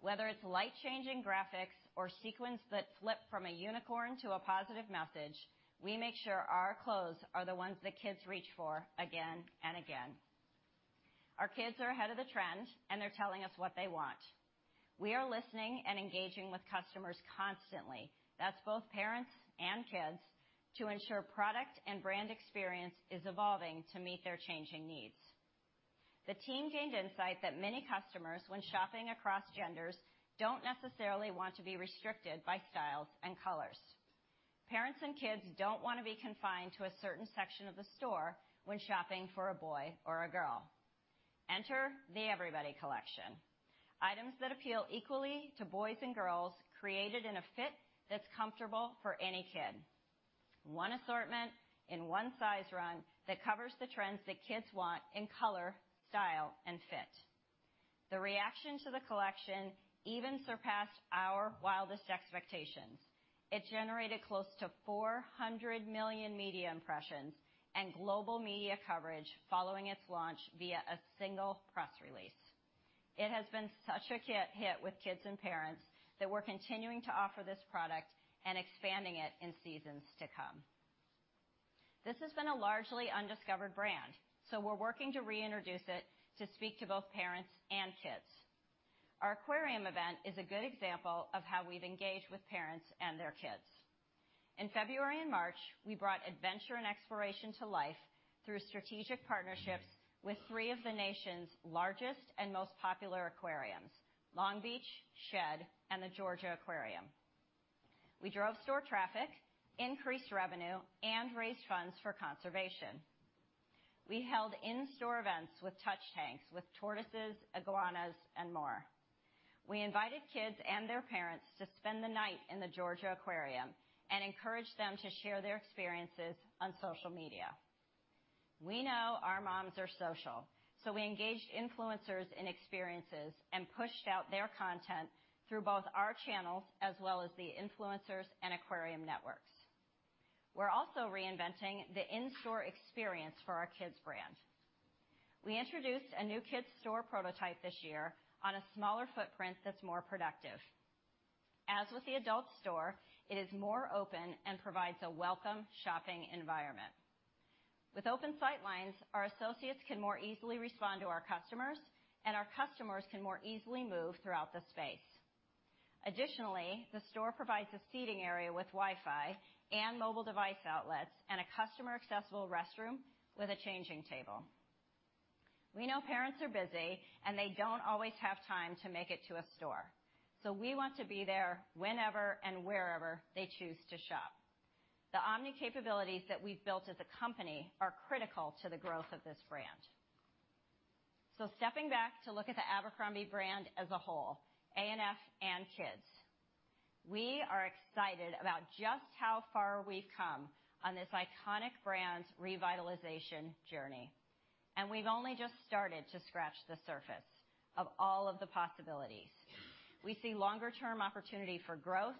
Whether it's light-changing graphics or sequins that flip from a unicorn to a positive message, we make sure our clothes are the ones that kids reach for again and again. Our kids are ahead of the trend. They're telling us what they want. We are listening and engaging with customers constantly, that's both parents and kids, to ensure product and brand experience is evolving to meet their changing needs. The team gained insight that many customers when shopping across genders don't necessarily want to be restricted by styles and colors. Parents and kids don't want to be confined to a certain section of the store when shopping for a boy or a girl. Enter the Everybody Collection. Items that appeal equally to boys and girls created in a fit that's comfortable for any kid. One assortment in one size run that covers the trends that kids want in color, style, and fit. The reaction to the collection even surpassed our wildest expectations. It generated close to 400 million media impressions and global media coverage following its launch via a single press release. It has been such a hit with kids and parents that we're continuing to offer this product and expanding it in seasons to come. This has been a largely undiscovered brand. We're working to reintroduce it to speak to both parents and kids. Our aquarium event is a good example of how we've engaged with parents and their kids. In February and March, we brought adventure and exploration to life through strategic partnerships with three of the nation's largest and most popular aquariums: Long Beach, Shedd, and the Georgia Aquarium. We drove store traffic, increased revenue, and raised funds for conservation. We held in-store events with touch tanks with tortoises, iguanas, and more. We invited kids and their parents to spend the night in the Georgia Aquarium and encouraged them to share their experiences on social media. We know our moms are social. We engaged influencers in experiences and pushed out their content through both our channels as well as the influencers and aquarium networks. We're also reinventing the in-store experience for our kids brand. We introduced a new kids store prototype this year on a smaller footprint that's more productive. As with the adult store, it is more open and provides a welcome shopping environment. With open sight lines, our associates can more easily respond to our customers. Our customers can more easily move throughout the space. Additionally, the store provides a seating area with Wi-Fi and mobile device outlets and a customer-accessible restroom with a changing table. We know parents are busy. They don't always have time to make it to a store. We want to be there whenever and wherever they choose to shop. The omni capabilities that we've built as a company are critical to the growth of this brand. Stepping back to look at the Abercrombie brand as a whole, ANF and kids, we are excited about just how far we've come on this iconic brand revitalization journey. We've only just started to scratch the surface of all of the possibilities. We see longer-term opportunity for growth,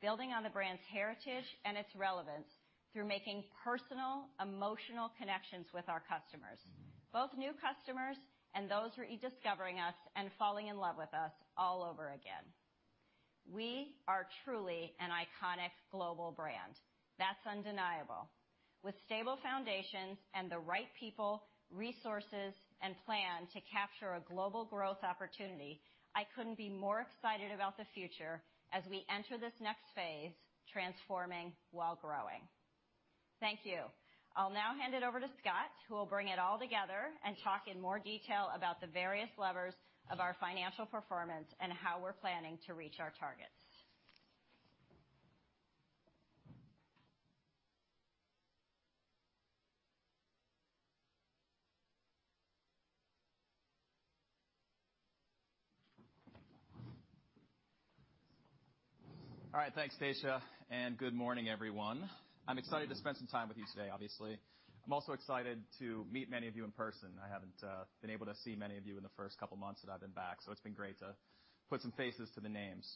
building on the brand's heritage and its relevance through making personal, emotional connections with our customers, both new customers and those who are e-discovering us and falling in love with us all over again. We are truly an iconic global brand. That's undeniable. With stable foundations and the right people, resources, and plan to capture a global growth opportunity, I couldn't be more excited about the future as we enter this next phase, transforming while growing. Thank you. I'll now hand it over to Scott, who will bring it all together and talk in more detail about the various levers of our financial performance and how we're planning to reach our targets. All right. Thanks, Stacia, and good morning, everyone. I'm excited to spend some time with you today, obviously. I'm also excited to meet many of you in person. I haven't been able to see many of you in the first couple of months that I've been back, so it's been great to put some faces to the names.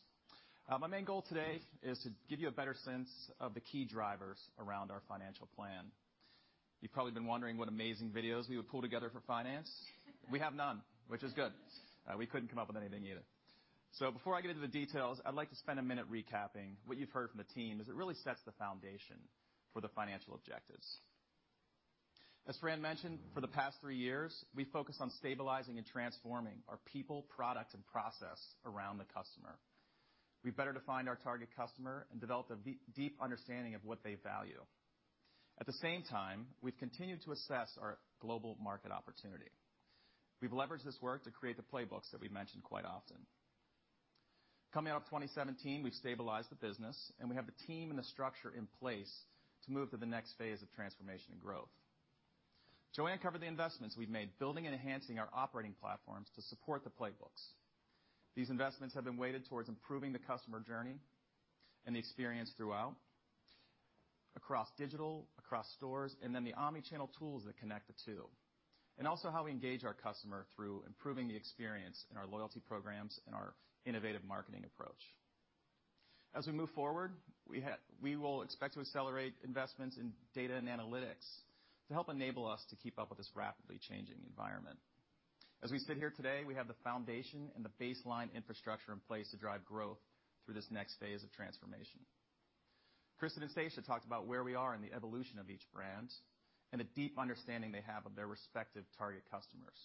My main goal today is to give you a better sense of the key drivers around our financial plan. You've probably been wondering what amazing videos we would pull together for finance. We have none, which is good. We couldn't come up with anything either. Before I get into the details, I'd like to spend a minute recapping what you've heard from the team as it really sets the foundation for the financial objectives. As Fran mentioned, for the past three years, we focused on stabilizing and transforming our people, product, and process around the customer. We better defined our target customer and developed a deep understanding of what they value. At the same time, we've continued to assess our global market opportunity. We've leveraged this work to create the playbooks that we've mentioned quite often. Coming out of 2017, we've stabilized the business, and we have the team and the structure in place to move to the next phase of transformation and growth. Joanne covered the investments we've made building and enhancing our operating platforms to support the playbooks. These investments have been weighted towards improving the customer journey and the experience throughout, across digital, across stores, and the omni-channel tools that connect the two. Also how we engage our customer through improving the experience in our loyalty programs and our innovative marketing approach. As we move forward, we will expect to accelerate investments in data and analytics to help enable us to keep up with this rapidly changing environment. As we sit here today, we have the foundation and the baseline infrastructure in place to drive growth through this next phase of transformation. Kristin and Stacia talked about where we are in the evolution of each brand and the deep understanding they have of their respective target customers.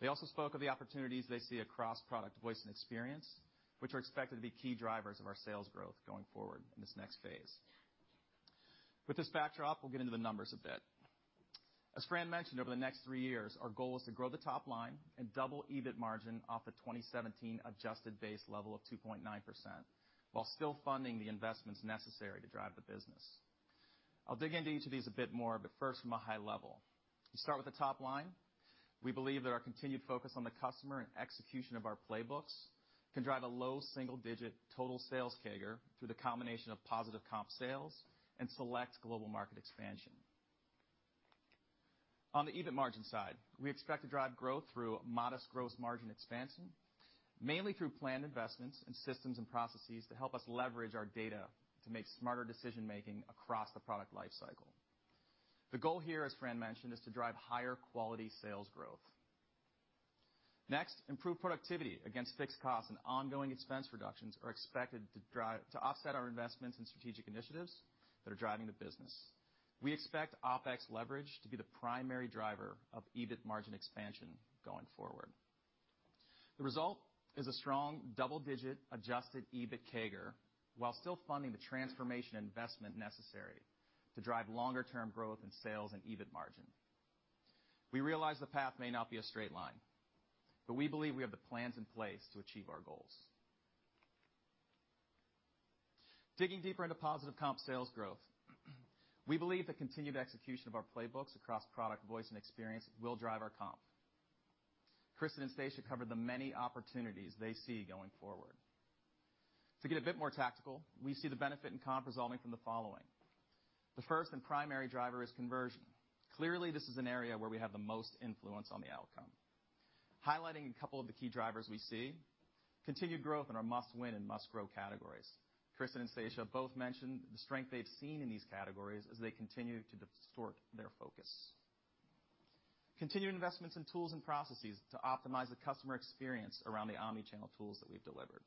They also spoke of the opportunities they see across product, voice, and experience, which are expected to be key drivers of our sales growth going forward in this next phase. With this backdrop, we'll get into the numbers a bit. As Fran mentioned, over the next three years, our goal is to grow the top line and double EBIT margin off the 2017 adjusted base level of 2.9%, while still funding the investments necessary to drive the business. I'll dig into each of these a bit more, but first from a high level. You start with the top line. We believe that our continued focus on the customer and execution of our playbooks can drive a low single-digit total sales CAGR through the combination of positive comp sales and select global market expansion. On the EBIT margin side, we expect to drive growth through modest gross margin expansion, mainly through planned investments in systems and processes to help us leverage our data to make smarter decision-making across the product life cycle. The goal here, as Fran mentioned, is to drive higher quality sales growth. Improved productivity against fixed costs and ongoing expense reductions are expected to offset our investments in strategic initiatives that are driving the business. We expect OpEx leverage to be the primary driver of EBIT margin expansion going forward. The result is a strong double-digit adjusted EBIT CAGR, while still funding the transformation investment necessary to drive longer-term growth in sales and EBIT margin. We realize the path may not be a straight line, but we believe we have the plans in place to achieve our goals. Digging deeper into positive comp sales growth, we believe the continued execution of our playbooks across product, voice, and experience will drive our comp. Kristin and Stacia covered the many opportunities they see going forward. To get a bit more tactical, we see the benefit in comp resulting from the following. The first and primary driver is conversion. Clearly, this is an area where we have the most influence on the outcome. Highlighting a couple of the key drivers we see, continued growth in our must-win and must-grow categories. Kristin and Stacia both mentioned the strength they've seen in these categories as they continue to distort their focus. Continued investments in tools and processes to optimize the customer experience around the omni-channel tools that we've delivered.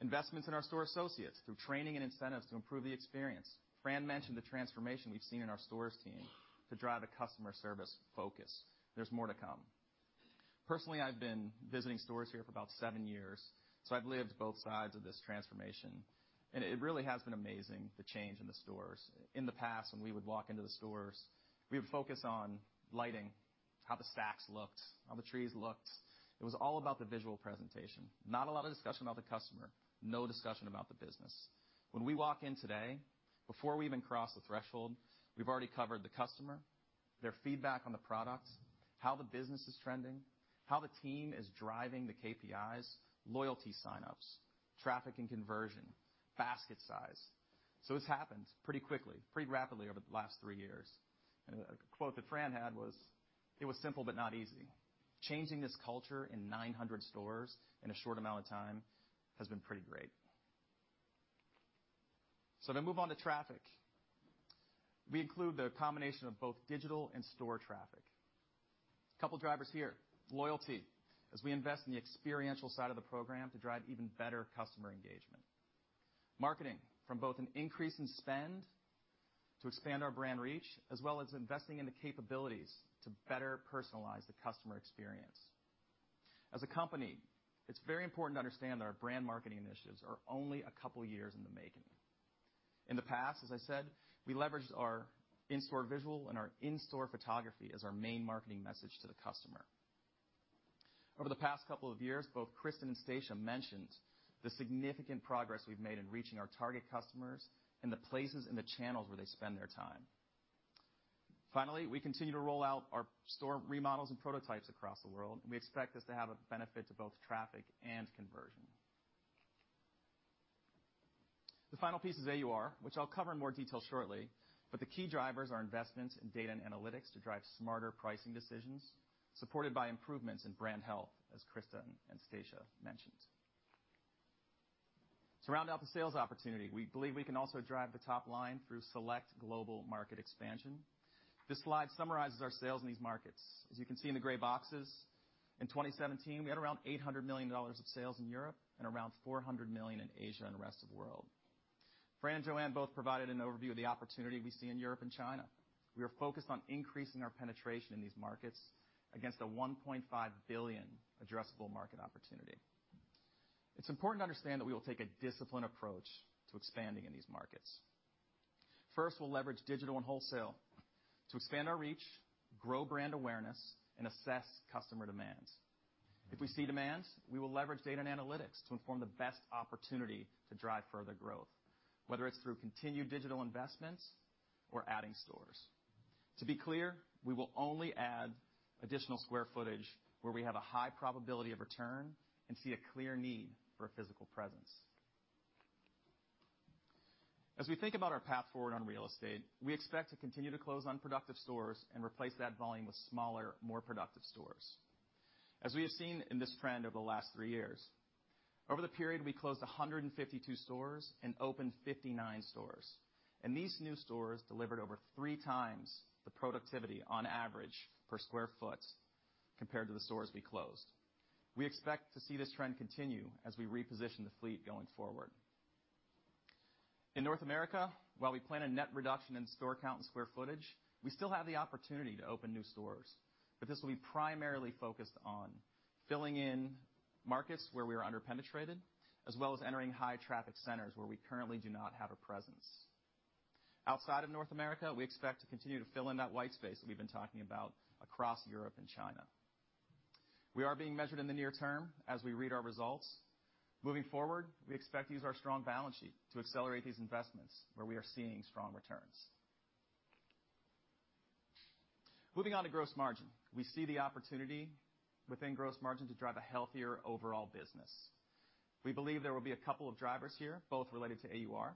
Investments in our store associates through training and incentives to improve the experience. Fran mentioned the transformation we've seen in our stores team to drive a customer service focus. There's more to come. Personally, I've been visiting stores here for about seven years, so I've lived both sides of this transformation, and it really has been amazing, the change in the stores. In the past, when we would walk into the stores, we would focus on lighting, how the stacks looked, how the trees looked. It was all about the visual presentation. Not a lot of discussion about the customer, no discussion about the business. When we walk in today, before we even cross the threshold, we've already covered the customer, their feedback on the product, how the business is trending, how the team is driving the KPIs, loyalty sign-ups, traffic and conversion, basket size. It's happened pretty quickly, pretty rapidly over the last three years. A quote that Fran had was, "It was simple, but not easy." Changing this culture in 900 stores in a short amount of time has been pretty great. Move on to traffic. We include the combination of both digital and store traffic. Couple drivers here. Loyalty, as we invest in the experiential side of the program to drive even better customer engagement. Marketing, from both an increase in spend to expand our brand reach, as well as investing in the capabilities to better personalize the customer experience. As a company, it is very important to understand that our brand marketing initiatives are only a couple years in the making. In the past, as I said, we leveraged our in-store visual and our in-store photography as our main marketing message to the customer. Over the past couple of years, both Kristin and Stacia mentioned the significant progress we have made in reaching our target customers and the places and the channels where they spend their time. We continue to roll out our store remodels and prototypes across the world, and we expect this to have a benefit to both traffic and conversion. The final piece is AUR, which I will cover in more detail shortly, but the key drivers are investments in data and analytics to drive smarter pricing decisions, supported by improvements in brand health, as Kristin and Stacia mentioned. To round out the sales opportunity, we believe we can also drive the top line through select global market expansion. This slide summarizes our sales in these markets. As you can see in the gray boxes, in 2017, we had around $800 million of sales in Europe and around $400 million in Asia and the rest of the world. Fran and Joanne both provided an overview of the opportunity we see in Europe and China. We are focused on increasing our penetration in these markets against a $1.5 billion addressable market opportunity. It is important to understand that we will take a disciplined approach to expanding in these markets. We will leverage digital and wholesale to expand our reach, grow brand awareness, and assess customer demands. If we see demands, we will leverage data and analytics to inform the best opportunity to drive further growth, whether it is through continued digital investments or adding stores. To be clear, we will only add additional square footage where we have a high probability of return and see a clear need for a physical presence. As we think about our path forward on real estate, we expect to continue to close unproductive stores and replace that volume with smaller, more productive stores, as we have seen in this trend over the last three years. Over the period, we closed 152 stores and opened 59 stores, and these new stores delivered over three times the productivity on average per square foot compared to the stores we closed. We expect to see this trend continue as we reposition the fleet going forward. In North America, while we plan a net reduction in store count and square footage, we still have the opportunity to open new stores, but this will be primarily focused on filling in markets where we are under-penetrated, as well as entering high-traffic centers where we currently do not have a presence. Outside of North America, we expect to continue to fill in that white space that we have been talking about across Europe and China. We are being measured in the near term as we read our results. We expect to use our strong balance sheet to accelerate these investments where we are seeing strong returns. We see the opportunity within gross margin to drive a healthier overall business. We believe there will be a couple of drivers here, both related to AUR.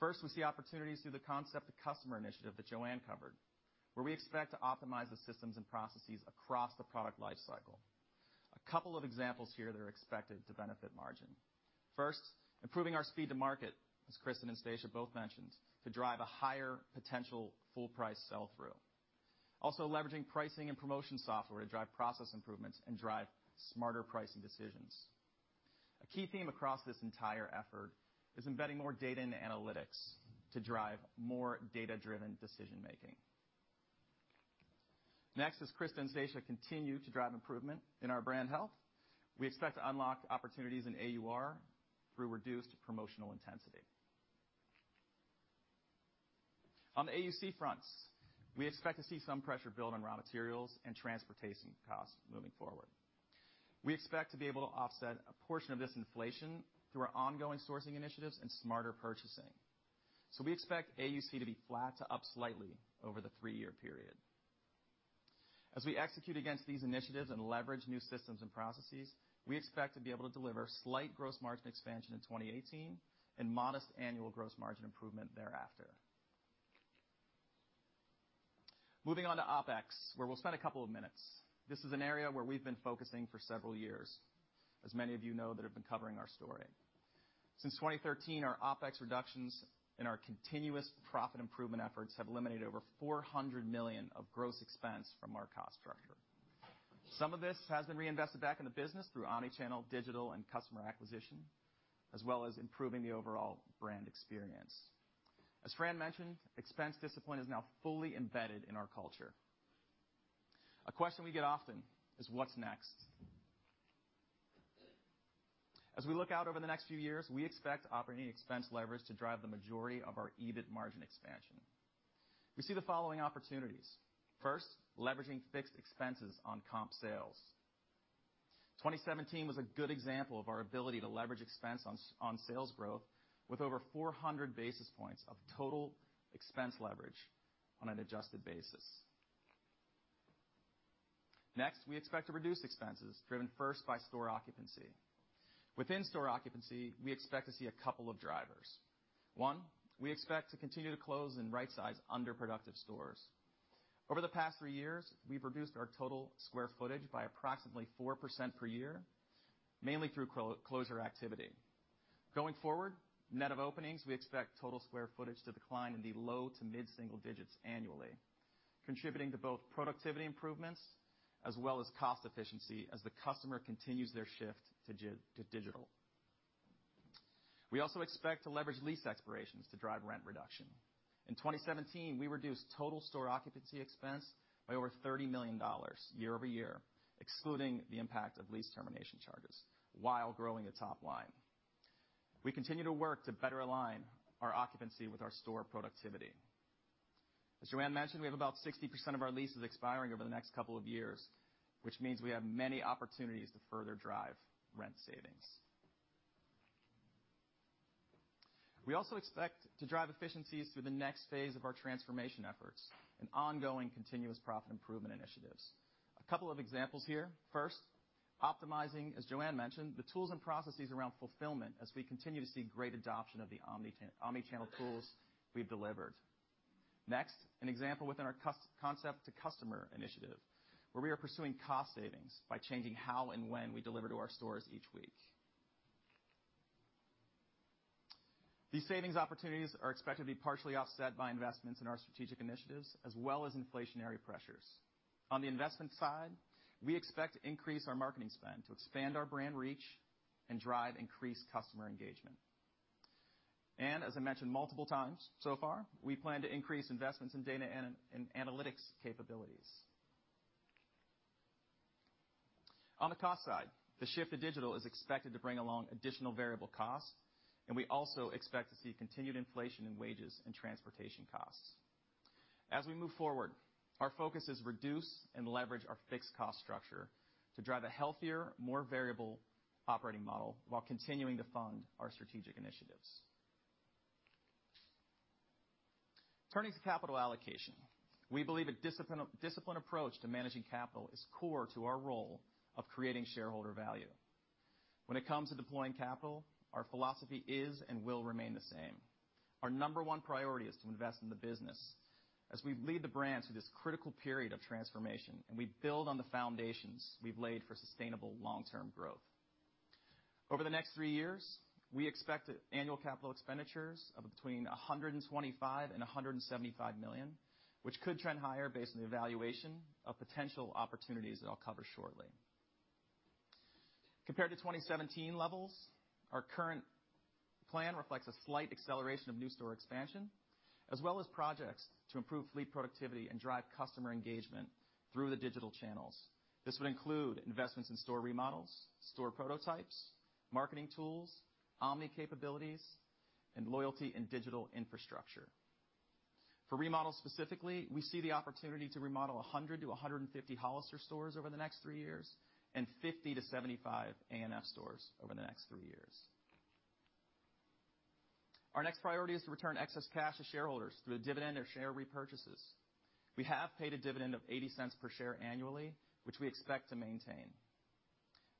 First, we see opportunities through the concept of customer initiative that Joanne covered, where we expect to optimize the systems and processes across the product life cycle. A couple of examples here that are expected to benefit margin. First, improving our speed to market, as Kristin and Stacia both mentioned, to drive a higher potential full price sell-through. Also, leveraging pricing and promotion software to drive process improvements and drive smarter pricing decisions. A key theme across this entire effort is embedding more data and analytics to drive more data-driven decision making. Next, as Kristin and Stacia continue to drive improvement in our brand health, we expect to unlock opportunities in AUR through reduced promotional intensity. On the AUC fronts, we expect to see some pressure build on raw materials and transportation costs moving forward. We expect to be able to offset a portion of this inflation through our ongoing sourcing initiatives and smarter purchasing. We expect AUC to be flat to up slightly over the three-year period. As we execute against these initiatives and leverage new systems and processes, we expect to be able to deliver slight gross margin expansion in 2018 and modest annual gross margin improvement thereafter. Moving on to OpEx, where we'll spend a couple of minutes. This is an area where we've been focusing for several years, as many of you know that have been covering our story. Since 2013, our OpEx reductions and our continuous profit improvement efforts have eliminated over $400 million of gross expense from our cost structure. Some of this has been reinvested back in the business through omni-channel, digital, and customer acquisition, as well as improving the overall brand experience. As Fran mentioned, expense discipline is now fully embedded in our culture. A question we get often is, what's next? As we look out over the next few years, we expect operating expense leverage to drive the majority of our EBIT margin expansion. We see the following opportunities. First, leveraging fixed expenses on comp sales. 2017 was a good example of our ability to leverage expense on sales growth with over 400 basis points of total expense leverage on an adjusted basis. Next, we expect to reduce expenses driven first by store occupancy. Within store occupancy, we expect to see a couple of drivers. One, we expect to continue to close and rightsize underproductive stores. Over the past three years, we've reduced our total square footage by approximately 4% per year, mainly through closure activity. Going forward, net of openings, we expect total square footage to decline in the low to mid-single digits annually, contributing to both productivity improvements as well as cost efficiency as the customer continues their shift to digital. We also expect to leverage lease expirations to drive rent reduction. In 2017, we reduced total store occupancy expense by over $30 million year-over-year, excluding the impact of lease termination charges while growing the top line. We continue to work to better align our occupancy with our store productivity. As Joanne mentioned, we have about 60% of our leases expiring over the next couple of years, which means we have many opportunities to further drive rent savings. We also expect to drive efficiencies through the next phase of our transformation efforts and ongoing continuous profit improvement initiatives. A couple of examples here. First, optimizing, as Joanne mentioned, the tools and processes around fulfillment as we continue to see great adoption of the omni-channel tools we've delivered. Next, an example within our Concept to Customer Initiative, where we are pursuing cost savings by changing how and when we deliver to our stores each week. These savings opportunities are expected to be partially offset by investments in our strategic initiatives, as well as inflationary pressures. On the investment side, we expect to increase our marketing spend to expand our brand reach and drive increased customer engagement. As I mentioned multiple times so far, we plan to increase investments in data and analytics capabilities. On the cost side, the shift to digital is expected to bring along additional variable costs, and we also expect to see continued inflation in wages and transportation costs. As we move forward, our focus is reduce and leverage our fixed cost structure to drive a healthier, more variable operating model while continuing to fund our strategic initiatives. Turning to capital allocation, we believe a disciplined approach to managing capital is core to our role of creating shareholder value. When it comes to deploying capital, our philosophy is and will remain the same. Our number one priority is to invest in the business as we lead the brand through this critical period of transformation, and we build on the foundations we've laid for sustainable long-term growth. Over the next three years, we expect annual capital expenditures of between $125 million and $175 million, which could trend higher based on the evaluation of potential opportunities that I'll cover shortly. Compared to 2017 levels, our current plan reflects a slight acceleration of new store expansion, as well as projects to improve fleet productivity and drive customer engagement through the digital channels. This would include investments in store remodels, store prototypes, marketing tools, omni-capabilities, and loyalty and digital infrastructure. For remodels specifically, we see the opportunity to remodel 100-150 Hollister stores over the next three years and 50-75 A&F stores over the next three years. Our next priority is to return excess cash to shareholders through a dividend or share repurchases. We have paid a dividend of $0.80 per share annually, which we expect to maintain.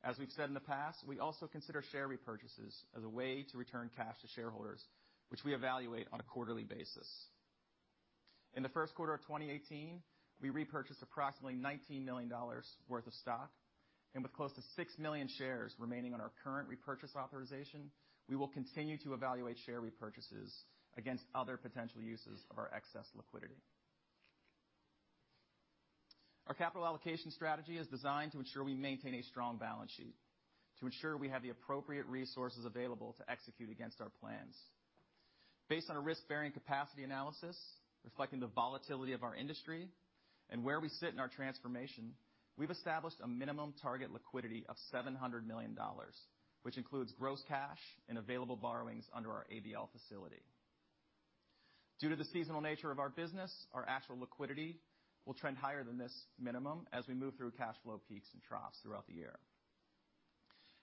As we've said in the past, we also consider share repurchases as a way to return cash to shareholders, which we evaluate on a quarterly basis. In the first quarter of 2018, we repurchased approximately $19 million worth of stock. With close to 6 million shares remaining on our current repurchase authorization, we will continue to evaluate share repurchases against other potential uses of our excess liquidity. Our capital allocation strategy is designed to ensure we maintain a strong balance sheet to ensure we have the appropriate resources available to execute against our plans. Based on a risk-bearing capacity analysis reflecting the volatility of our industry and where we sit in our transformation, we've established a minimum target liquidity of $700 million, which includes gross cash and available borrowings under our ABL facility. Due to the seasonal nature of our business, our actual liquidity will trend higher than this minimum as we move through cash flow peaks and troughs throughout the year.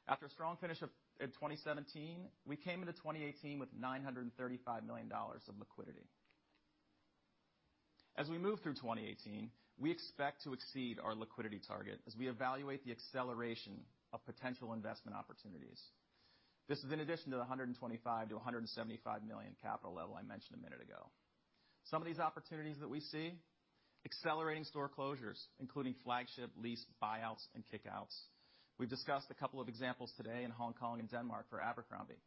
After a strong finish in 2017, we came into 2018 with $935 million of liquidity. As we move through 2018, we expect to exceed our liquidity target as we evaluate the acceleration of potential investment opportunities. This is in addition to the $125 million-$175 million capital level I mentioned a minute ago. Some of these opportunities that we see, accelerating store closures, including flagship lease buyouts and kick-outs. We've discussed a couple of examples today in Hong Kong and Denmark for Abercrombie.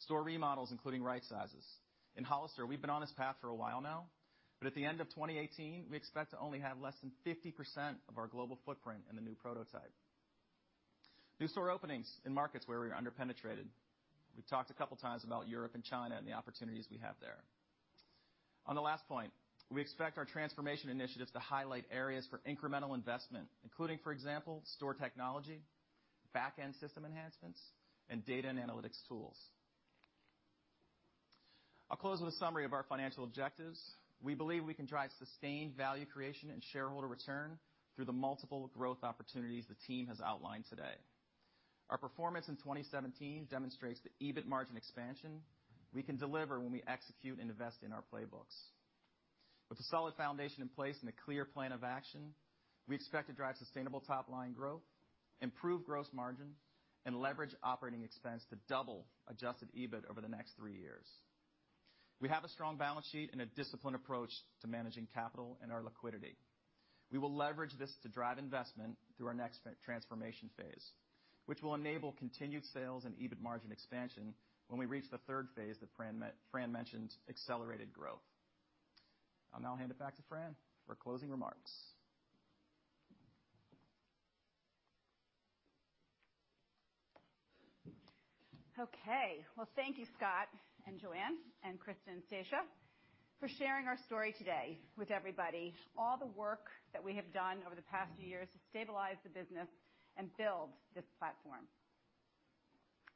Store remodels, including right sizes. In Hollister, we've been on this path for a while now, but at the end of 2018, we expect to only have less than 50% of our global footprint in the new prototype. New store openings in markets where we are under-penetrated. We've talked a couple of times about Europe and China and the opportunities we have there. On the last point, we expect our transformation initiatives to highlight areas for incremental investment, including, for example, store technology, back-end system enhancements, and data and analytics tools. I'll close with a summary of our financial objectives. We believe we can drive sustained value creation and shareholder return through the multiple growth opportunities the team has outlined today. Our performance in 2017 demonstrates the EBIT margin expansion we can deliver when we execute and invest in our playbooks. With a solid foundation in place and a clear plan of action, we expect to drive sustainable top-line growth, improve gross margin, and leverage operating expense to double adjusted EBIT over the next three years. We have a strong balance sheet and a disciplined approach to managing capital and our liquidity. We will leverage this to drive investment through our next transformation phase, which will enable continued sales and EBIT margin expansion when we reach the third phase that Fran mentioned, accelerated growth. I'll now hand it back to Fran for closing remarks. Okay. Well, thank you, Scott and Joanne and Kristin and Stacia for sharing our story today with everybody. All the work that we have done over the past few years to stabilize the business and build this platform,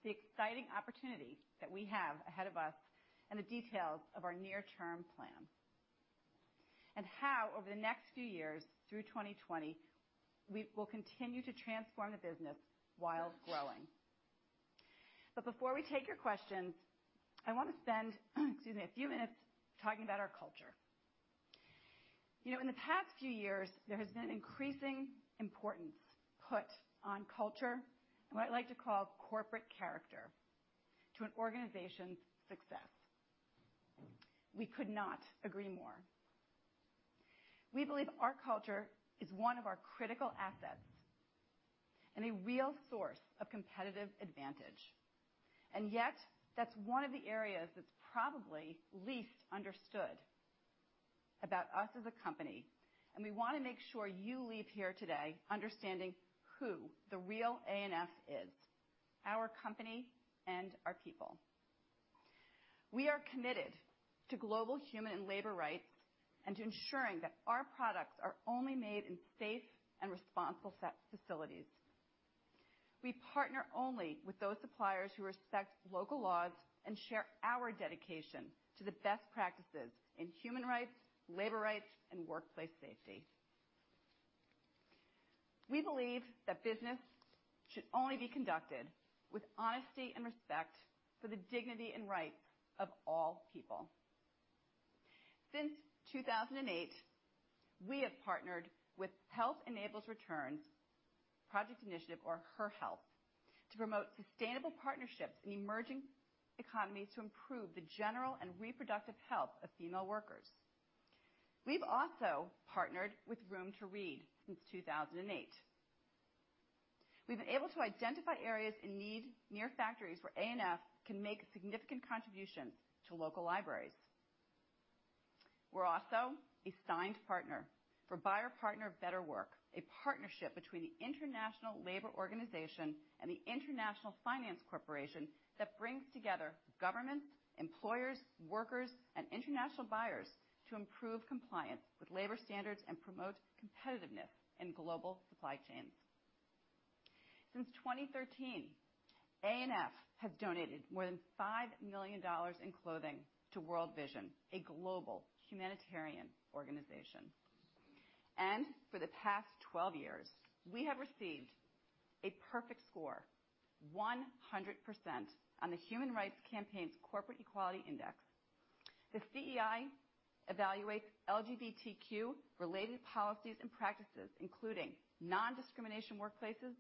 the exciting opportunity that we have ahead of us and the details of our near-term plan, and how, over the next few years through 2020, we will continue to transform the business while growing. Before we take your questions, I want to spend, excuse me, a few minutes talking about our culture. In the past few years, there has been increasing importance put on culture and what I like to call corporate character to an organization's success. We could not agree more. We believe our culture is one of our critical assets and a real source of competitive advantage. Yet that's one of the areas that's probably least understood about us as a company, and we want to make sure you leave here today understanding who the real ANF is, our company and our people. We are committed to global human and labor rights and to ensuring that our products are only made in safe and responsible facilities. We partner only with those suppliers who respect local laws and share our dedication to the best practices in human rights, labor rights, and workplace safety. We believe that business should only be conducted with honesty and respect for the dignity and rights of all people. Since 2008, we have partnered with Health Enables Returns Project Initiative, or HERhealth, to promote sustainable partnerships in emerging economies to improve the general and reproductive health of female workers. We've also partnered with Room to Read since 2008. We've been able to identify areas in need near factories where ANF can make significant contributions to local libraries. We're also a signed partner for Buyer Partner Better Work, a partnership between the International Labour Organization and the International Finance Corporation that brings together governments, employers, workers, and international buyers to improve compliance with labor standards and promote competitiveness in global supply chains. Since 2013, ANF has donated more than $5 million in clothing to World Vision, a global humanitarian organization. For the past 12 years, we have received a perfect score, 100%, on the Human Rights Campaign's Corporate Equality Index. The CEI evaluates LGBTQ-related policies and practices, including non-discrimination workplaces,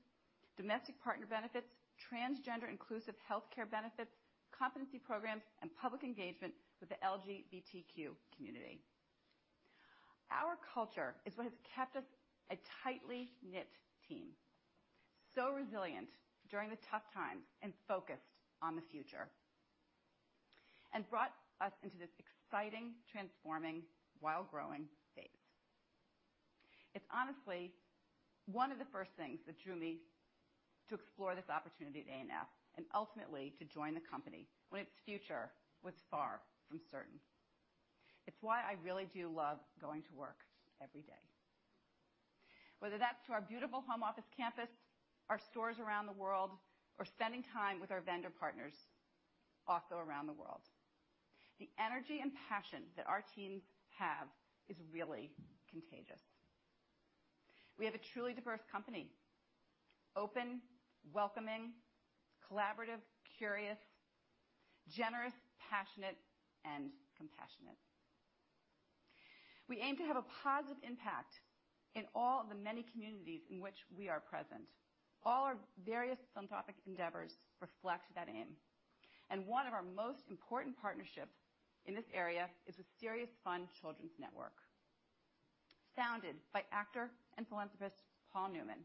domestic partner benefits, transgender-inclusive healthcare benefits, competency programs, and public engagement with the LGBTQ community. Our culture is what has kept us a tightly knit team, so resilient during the tough times and focused on the future, and brought us into this exciting, transforming while growing phase. It's honestly one of the first things that drew me to explore this opportunity at ANF and ultimately to join the company when its future was far from certain. It's why I really do love going to work every day. Whether that's to our beautiful home office campus, our stores around the world, or spending time with our vendor partners also around the world. The energy and passion that our teams have is really contagious. We have a truly diverse company, open, welcoming, collaborative, curious, generous, passionate, and compassionate. We aim to have a positive impact in all the many communities in which we are present. All our various philanthropic endeavors reflect that aim. One of our most important partnerships in this area is with SeriousFun Children's Network, founded by actor and philanthropist Paul Newman.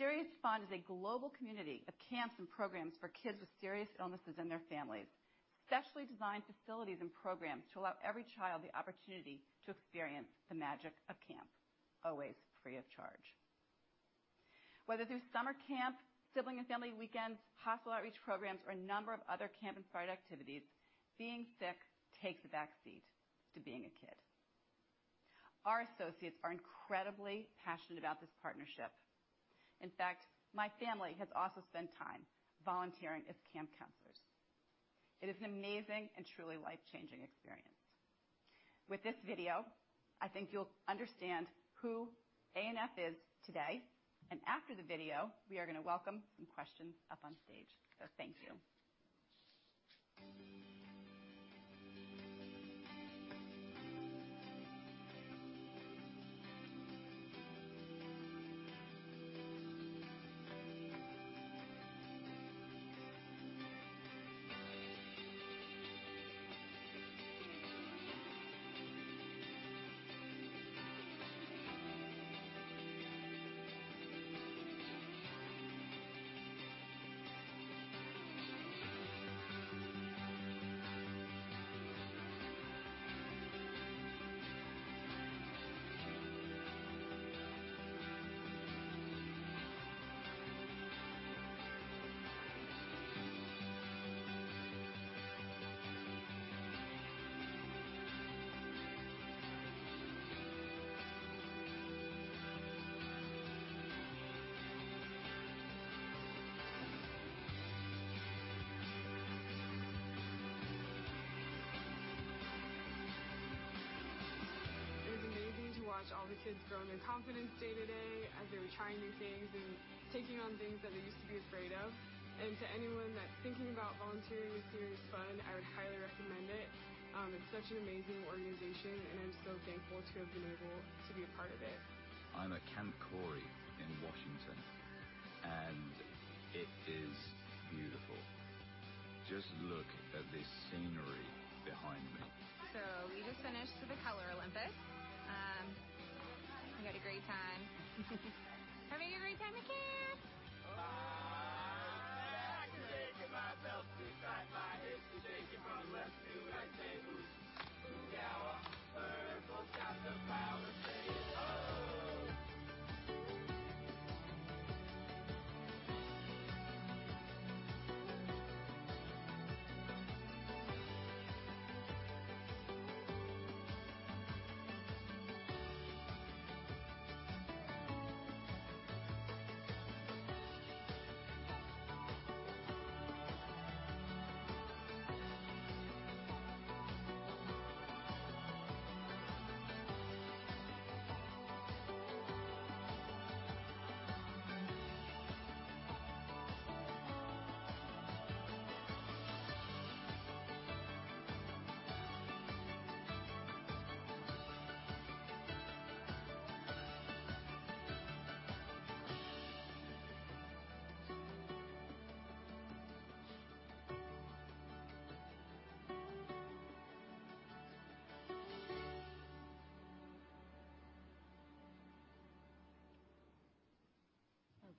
SeriousFun is a global community of camps and programs for kids with serious illnesses and their families, specially designed facilities and programs to allow every child the opportunity to experience the magic of camp, always free of charge. Whether through summer camp, sibling and family weekends, hospital outreach programs, or a number of other camp inspired activities, being sick takes a back seat to being a kid. Our associates are incredibly passionate about this partnership. In fact, my family has also spent time volunteering as camp counselors. It is an amazing and truly life-changing experience. With this video, I think you'll understand who ANF is today, and after the video, we are gonna welcome some questions up on stage. Thank you. It was amazing to watch all the kids grow in their confidence day to day as they were trying new things and taking on things that they used to be afraid of. To anyone that's thinking about volunteering with SeriousFun, I would highly recommend it. It's such an amazing organization, and I'm so thankful to have been able to be a part of it. I'm at Camp Korey in Washington, and it is Just look at this scenery behind me. We just finished the Color Olympics. We had a great time. Having a great time at camp.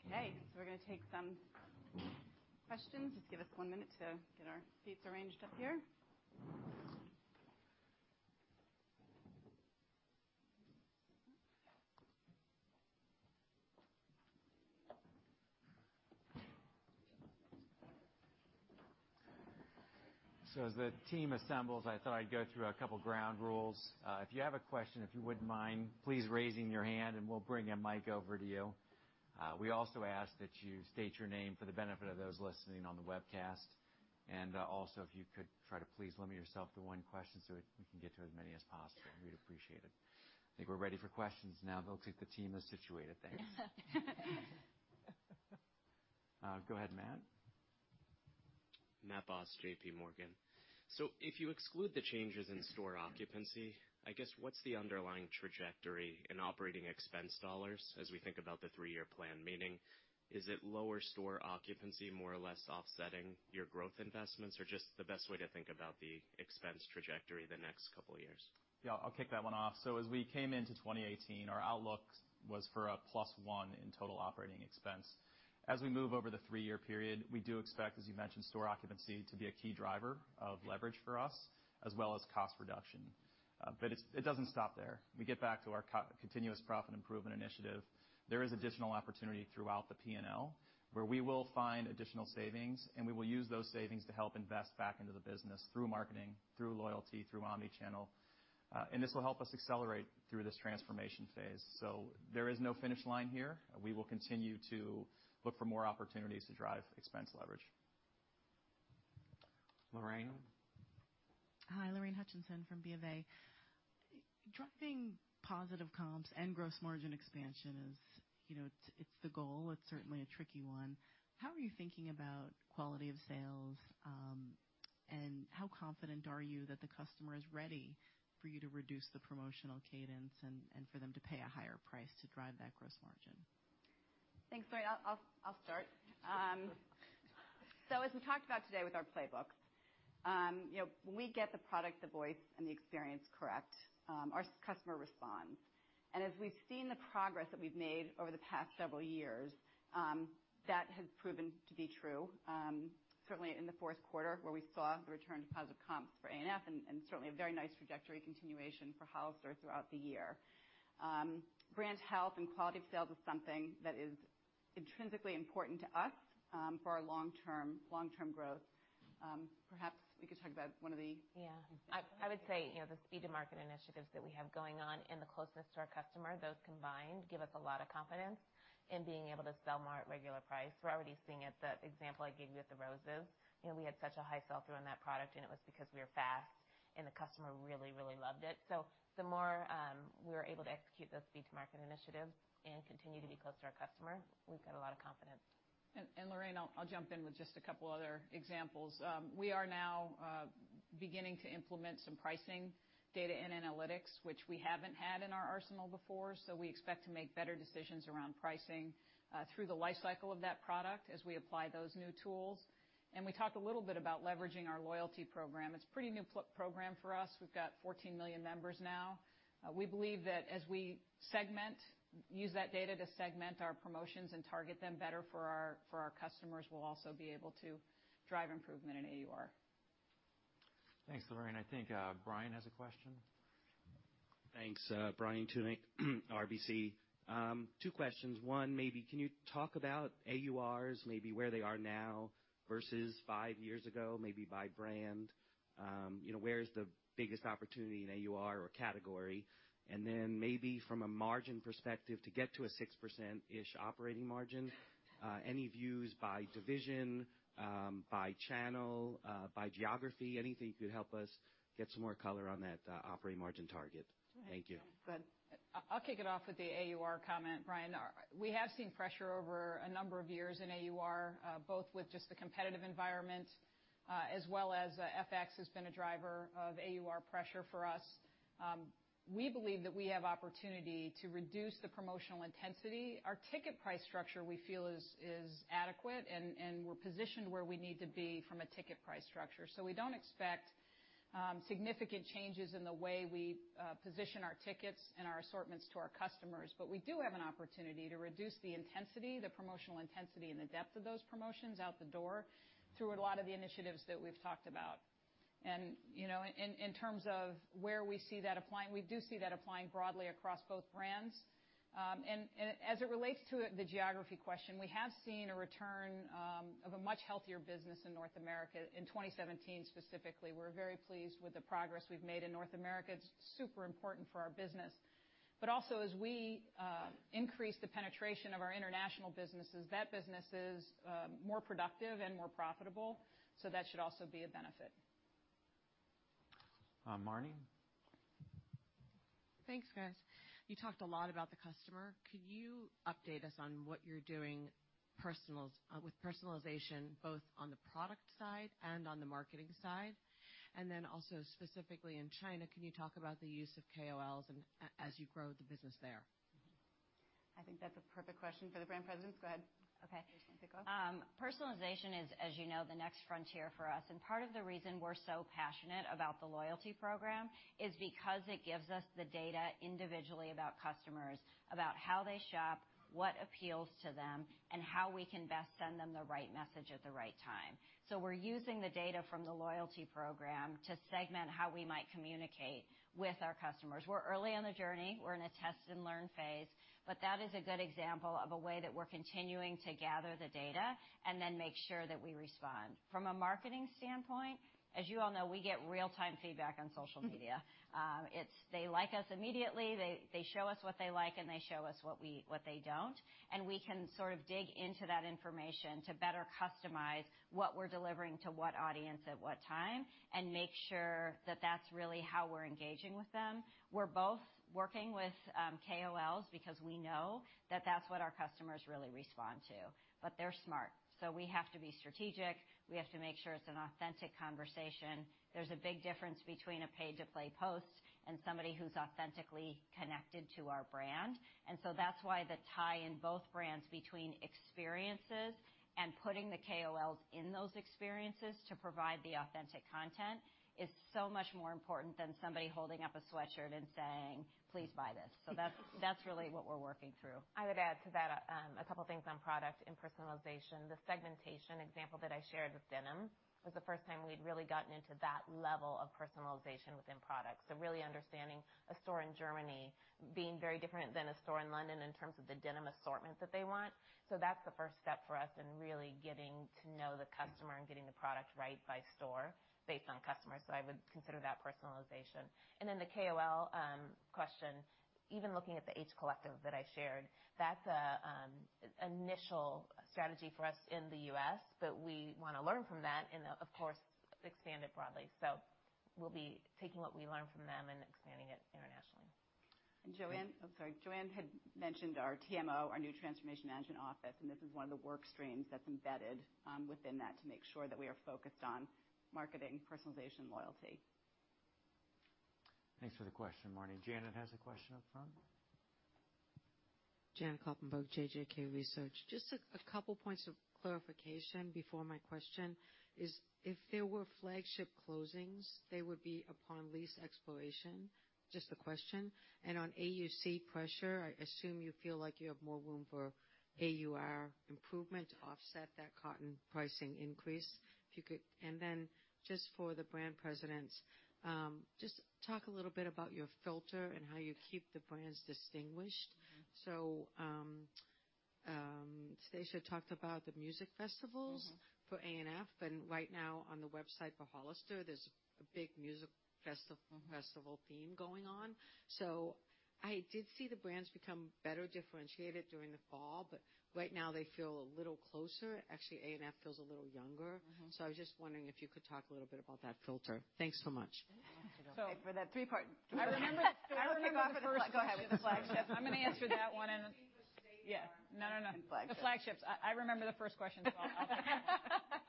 Okay. We're going to take some questions. Just give us one minute to get our seats arranged up here. As the team assembles, I thought I'd go through a couple ground rules. If you have a question, if you wouldn't mind, please raising your hand and we'll bring a mic over to you. We also ask that you state your name for the benefit of those listening on the webcast. Also, if you could try to please limit yourself to one question so we can get to as many as possible, we'd appreciate it. I think we're ready for questions now that looks like the team is situated, thanks. Go ahead, Matt. Matt Boss, JPMorgan. If you exclude the changes in store occupancy, I guess what's the underlying trajectory in operating expense dollars as we think about the three-year plan? Meaning, is it lower store occupancy more or less offsetting your growth investments, or just the best way to think about the expense trajectory the next couple of years? Yeah, I'll kick that one off. As we came into 2018, our outlook was for a plus one in total operating expense. As we move over the three-year period, we do expect, as you mentioned, store occupancy to be a key driver of leverage for us, as well as cost reduction. It doesn't stop there. We get back to our continuous profit improvement initiative. There is additional opportunity throughout the P&L where we will find additional savings, and we will use those savings to help invest back into the business through marketing, through loyalty, through omni-channel. This will help us accelerate through this transformation phase. There is no finish line here. We will continue to look for more opportunities to drive expense leverage. Lorraine. Hi, Lorraine Hutchinson from BofA. Driving positive comps and gross margin expansion is the goal. It's certainly a tricky one. How are you thinking about quality of sales, and how confident are you that the customer is ready for you to reduce the promotional cadence and for them to pay a higher price to drive that gross margin? Thanks, Lorraine. I'll start. As we talked about today with our playbook. When we get the product, the voice, and the experience correct, our customer responds. As we've seen the progress that we've made over the past several years, that has proven to be true, certainly in the fourth quarter, where we saw the return to positive comps for ANF and certainly a very nice trajectory continuation for Hollister throughout the year. Brand health and quality of sales is something that is intrinsically important to us for our long-term growth. Yeah. I would say, the speed of market initiatives that we have going on and the closeness to our customer, those combined give us a lot of confidence in being able to sell more at regular price. We're already seeing it, the example I gave you with the roses. We had such a high sell-through on that product, and it was because we were fast, and the customer really loved it. The more we were able to execute those speed to market initiatives and continue to be close to our customer, we've got a lot of confidence. Lorraine, I'll jump in with just a couple other examples. We are now beginning to implement some pricing data and analytics, which we haven't had in our arsenal before, so we expect to make better decisions around pricing through the life cycle of that product as we apply those new tools. We talked a little bit about leveraging our loyalty program. It's a pretty new program for us. We've got 14 million members now. We believe that as we use that data to segment our promotions and target them better for our customers, we'll also be able to drive improvement in AUR. Thanks, Lorraine. I think Brian has a question. Thanks. Brian Tunick, RBC. Two questions. One, maybe can you talk about AURs, maybe where they are now versus five years ago, maybe by brand. Where is the biggest opportunity in AUR or category? Then maybe from a margin perspective, to get to a 6%-ish operating margin, any views by division, by channel, by geography, anything could help us get some more color on that operating margin target. Thank you. Go ahead. I'll kick it off with the AUR comment, Brian. We have seen pressure over a number of years in AUR, both with just the competitive environment, as well as FX has been a driver of AUR pressure for us. We believe that we have opportunity to reduce the promotional intensity. Our ticket price structure, we feel is adequate and we're positioned where we need to be from a ticket price structure. We don't expect significant changes in the way we position our tickets and our assortments to our customers, but we do have an opportunity to reduce the promotional intensity and the depth of those promotions out the door through a lot of the initiatives that we've talked about. In terms of where we see that applying, we do see that applying broadly across both brands. As it relates to the geography question, we have seen a return of a much healthier business in North America in 2017 specifically. We're very pleased with the progress we've made in North America. It's super important for our business. Also as we increase the penetration of our international businesses, that business is more productive and more profitable, so that should also be a benefit. Marni? Thanks, guys. You talked a lot about the customer. Could you update us on what you're doing with personalization, both on the product side and on the marketing side? Then also specifically in China, can you talk about the use of KOLs as you grow the business there? I think that's a perfect question for the brand presidents. Go ahead. Okay. You just want to pick up? Personalization is, as you know, the next frontier for us. Part of the reason we're so passionate about the loyalty program is because it gives us the data individually about customers, about how they shop, what appeals to them, and how we can best send them the right message at the right time. We're using the data from the loyalty program to segment how we might communicate with our customers. We're early on the journey. We're in a test-and-learn phase, but that is a good example of a way that we're continuing to gather the data and then make sure that we respond. From a marketing standpoint, as you all know, we get real-time feedback on social media. They like us immediately. They show us what they like, and they show us what they don't, and we can sort of dig into that information to better customize what we're delivering to what audience at what time and make sure that's really how we're engaging with them. We're both working with KOLs because we know that's what our customers really respond to. They're smart, so we have to be strategic. We have to make sure it's an authentic conversation. There's a big difference between a pay-to-play post and somebody who's authentically connected to our brand. That's why the tie in both brands between experiences and putting the KOLs in those experiences to provide the authentic content is so much more important than somebody holding up a sweatshirt and saying, "Please buy this." That's really what we're working through. I would add to that a couple of things on product and personalization. The segmentation example that I shared with denim was the first time we'd really gotten into that level of personalization within products. Really understanding a store in Germany being very different than a store in London in terms of the denim assortment that they want. That's the first step for us in really getting to know the customer and getting the product right by store based on customers. I would consider that personalization. Then the KOL question, even looking at the H Collective that I shared, that's an initial strategy for us in the U.S., but we want to learn from that and, of course, expand it broadly. We'll be taking what we learn from them and expanding it internationally. Joanne. Go ahead. Oh, sorry. Joanne had mentioned our TMO, our new transformation management office. This is one of the work streams that is embedded within that to make sure that we are focused on marketing, personalization, loyalty. Thanks for the question, Marni. Janet has a question up front. Janet Kloppenburg, JJK Research. Just a couple points of clarification before my question is, if there were flagship closings, they would be upon lease expiration? Just a question. On AUC pressure, I assume you feel like you have more room for AUR improvement to offset that cotton pricing increase. If you could. Then just for the brand presidents, just talk a little bit about your filter and how you keep the brands distinguished. Stacia talked about the music festivals- For A&F, right now on the website for Hollister, there's a big music festival theme going on. I did see the brands become better differentiated during the fall, right now they feel a little closer. Actually, A&F feels a little younger. I was just wondering if you could talk a little bit about that filter. Thanks so much. Yeah. For that three-part. Go ahead. I'm gonna answer that one. Between the state and flagship. Yeah. No. The flagships. I remember the first question as well.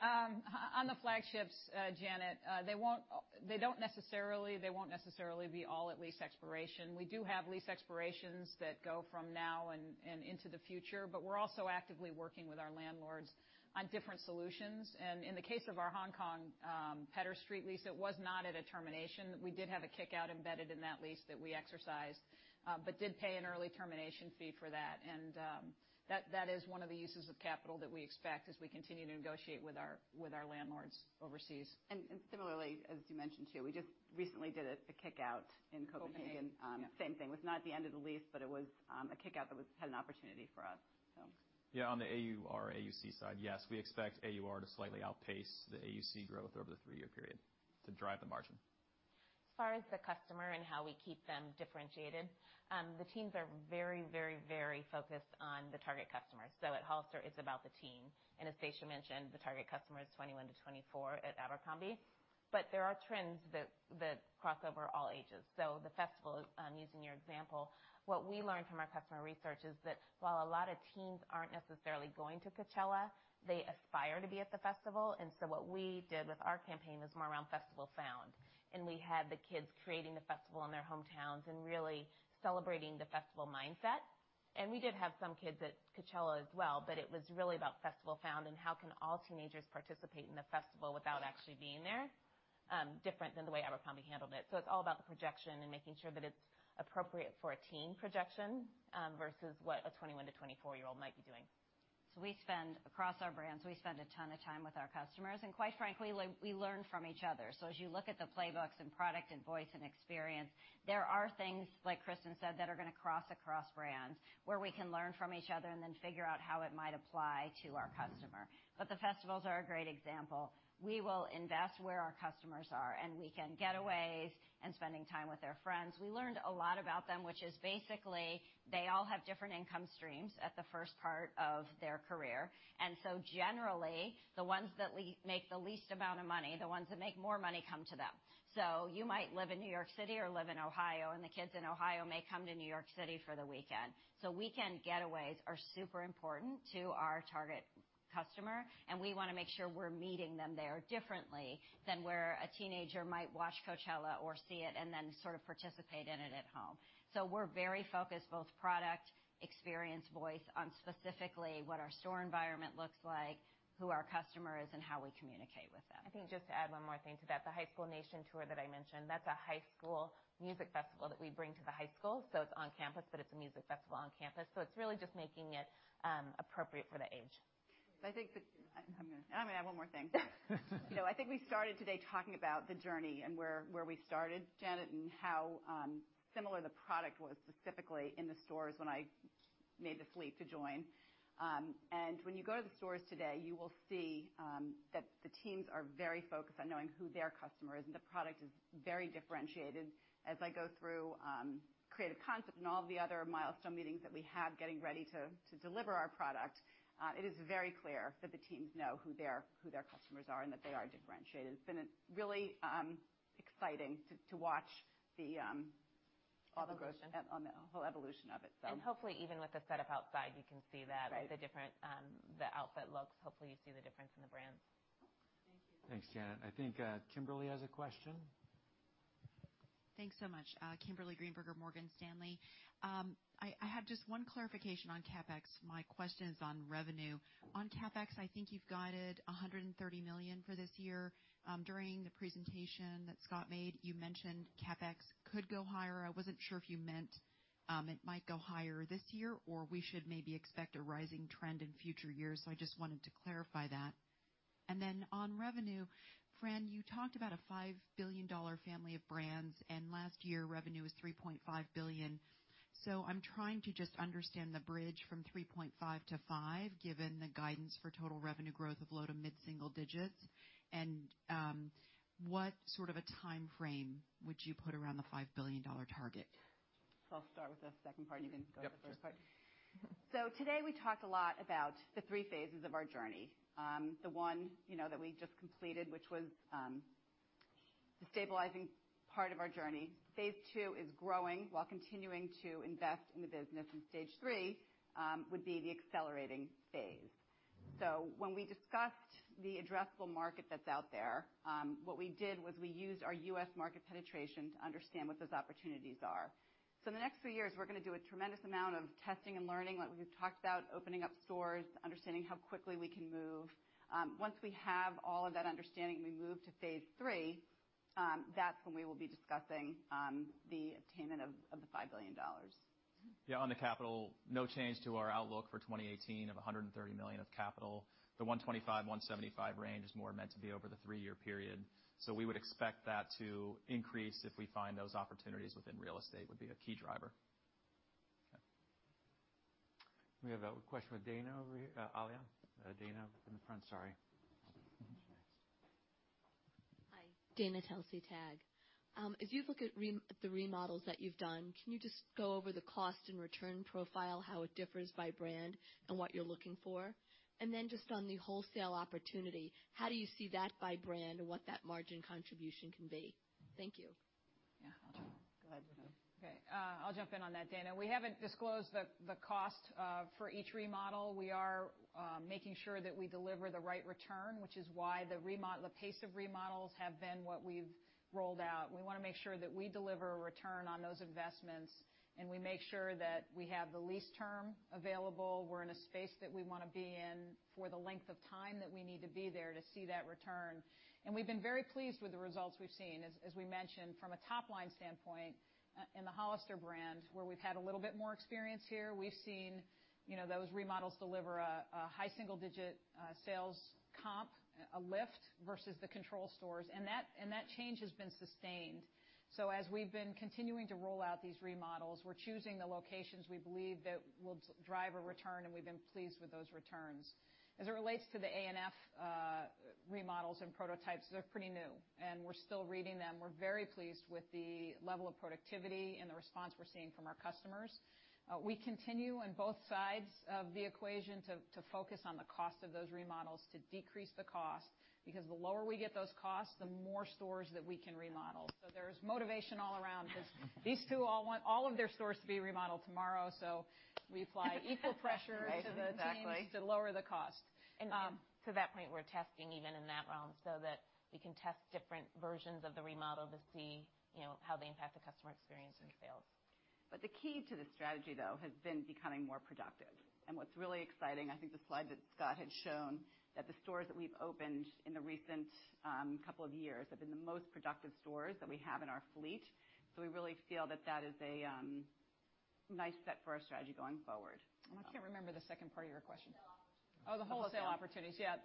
On the flagships, Janet, they won't necessarily be all at lease expiration. We do have lease expirations that go from now and into the future, but we're also actively working with our landlords on different solutions. In the case of our Hong Kong Pedder Street lease, it was not at a termination. We did have a kick-out embedded in that lease that we exercised, but did pay an early termination fee for that. That is one of the uses of capital that we expect as we continue to negotiate with our landlords overseas. Similarly, as you mentioned too, we just recently did a kick-out in Copenhagen. Copenhagen, yeah. Same thing. Was not at the end of the lease, but it was a kick-out that had an opportunity for us. On the AUR, AUC side, yes, we expect AUR to slightly outpace the AUC growth over the three-year period to drive the margin. As far as the customer and how we keep them differentiated, the teams are very focused on the target customer. At Hollister, it is about the team. As Stacia mentioned, the target customer is 21 to 24 at Abercrombie. There are trends that cross over all ages. The festival, using your example, what we learned from our customer research is that while a lot of teens are not necessarily going to Coachella, they aspire to be at the festival. What we did with our campaign was more around Festival Found, and we had the kids creating the festival in their hometowns and really celebrating the festival mindset. We did have some kids at Coachella as well, it was really about Festival Found and how can all teenagers participate in the festival without actually being there, different than the way Abercrombie handled it. It is all about the projection and making sure that it is appropriate for a teen projection versus what a 21 to 24-year-old might be doing. Across our brands, we spend a ton of time with our customers, quite frankly, we learn from each other. As you look at the playbooks and product and voice and experience, there are things, like Kristin said, that are going to cross across brands where we can learn from each other and then figure out how it might apply to our customer. The festivals are a great example. We will invest where our customers are in weekend getaways and spending time with their friends. We learned a lot about them, which is basically they all have different income streams at the first part of their career. Generally, the ones that make the least amount of money, the ones that make more money come to them. You might live in New York City or live in Ohio, and the kids in Ohio may come to New York City for the weekend. Weekend getaways are super important to our target customer, and we want to make sure we're meeting them there differently than where a teenager might watch Coachella or see it and then sort of participate in it at home. We're very focused, both product, experience, voice, on specifically what our store environment looks like, who our customer is, and how we communicate with them. I think just to add one more thing to that, the High School Nation tour that I mentioned, that's a high school music festival that we bring to the high school. It's on campus, but it's a music festival on campus, so it's really just making it appropriate for the age. I think I'm going to add one more thing. I think we started today talking about the journey and where we started, Janet, and how similar the product was specifically in the stores when I made the leap to join. When you go to the stores today, you will see that the teams are very focused on knowing who their customer is, and the product is very differentiated. As I go through creative concept and all the other milestone meetings that we have getting ready to deliver our product, it is very clear that the teams know who their customers are and that they are differentiated. It's been really exciting to watch all the Evolution whole evolution of it. Hopefully even with the setup outside, you can see that. Right. The different the outfit looks, hopefully you see the difference in the brands. Thank you. Thanks, Janet. I think Kimberly has a question. Thanks so much. Kimberly Greenberger, Morgan Stanley. I have just one clarification on CapEx. My question is on revenue. On CapEx, I think you've guided $130 million for this year. During the presentation that Scott made, you mentioned CapEx could go higher. I wasn't sure if you meant it might go higher this year, or we should maybe expect a rising trend in future years. I just wanted to clarify that. On revenue, Fran, you talked about a $5 billion family of brands, and last year revenue was $3.5 billion. I'm trying to just understand the bridge from $3.5 to $5, given the guidance for total revenue growth of low to mid-single digits, and what sort of a timeframe would you put around the $5 billion target? I'll start with the second part, and you can go to the first part. Yep. Today we talked a lot about the three phases of our journey. The one that we just completed, which was the stabilizing part of our journey. Phase 2 is growing while continuing to invest in the business. Stage 3 would be the accelerating phase. When we discussed the addressable market that's out there, what we did was we used our U.S. market penetration to understand what those opportunities are. In the next few years, we're going to do a tremendous amount of testing and learning, like we've talked about, opening up stores, understanding how quickly we can move. Once we have all of that understanding and we move to phase 3, that's when we will be discussing the attainment of the $5 billion. Yeah, on the capital, no change to our outlook for 2018 of $130 million of capital. The $125 million-$175 million range is more meant to be over the three-year period. We would expect that to increase if we find those opportunities within real estate would be a key driver. We have a question with Dana over here, Alia. Dana in the front, sorry. Sure. Hi. Dana Telsey, TAG. If you look at the remodels that you've done, can you just go over the cost and return profile, how it differs by brand and what you're looking for? Then just on the wholesale opportunity, how do you see that by brand and what that margin contribution can be? Thank you. Yeah. I'll jump. Go ahead, no. Okay. I'll jump in on that, Dana. We haven't disclosed the cost for each remodel. We are making sure that we deliver the right return, which is why the pace of remodels have been what we've rolled out. We want to make sure that we deliver a return on those investments, and we make sure that we have the lease term available. We're in a space that we want to be in for the length of time that we need to be there to see that return. We've been very pleased with the results we've seen. As we mentioned, from a top-line standpoint in the Hollister brand, where we've had a little bit more experience here, we've seen those remodels deliver a high single-digit sales comp, a lift versus the control stores, and that change has been sustained. As we've been continuing to roll out these remodels, we're choosing the locations we believe that will drive a return, and we've been pleased with those returns. As it relates to the ANF remodels and prototypes, they're pretty new, and we're still reading them. We're very pleased with the level of productivity and the response we're seeing from our customers. We continue on both sides of the equation to focus on the cost of those remodels to decrease the cost, because the lower we get those costs, the more stores that we can remodel. There's motivation all around because these two all want all of their stores to be remodeled tomorrow, so we apply equal pressure to the teams- Right. Exactly to lower the cost. To that point, we're testing even in that realm so that we can test different versions of the remodel to see how they impact the customer experience and sales. The key to the strategy though has been becoming more productive. What's really exciting, I think the slide that Scott had shown, that the stores that we've opened in the recent couple of years have been the most productive stores that we have in our fleet. We really feel that that is a nice step for our strategy going forward. I can't remember the second part of your question. [Wholesale.] Oh, the wholesale opportunities. Yeah.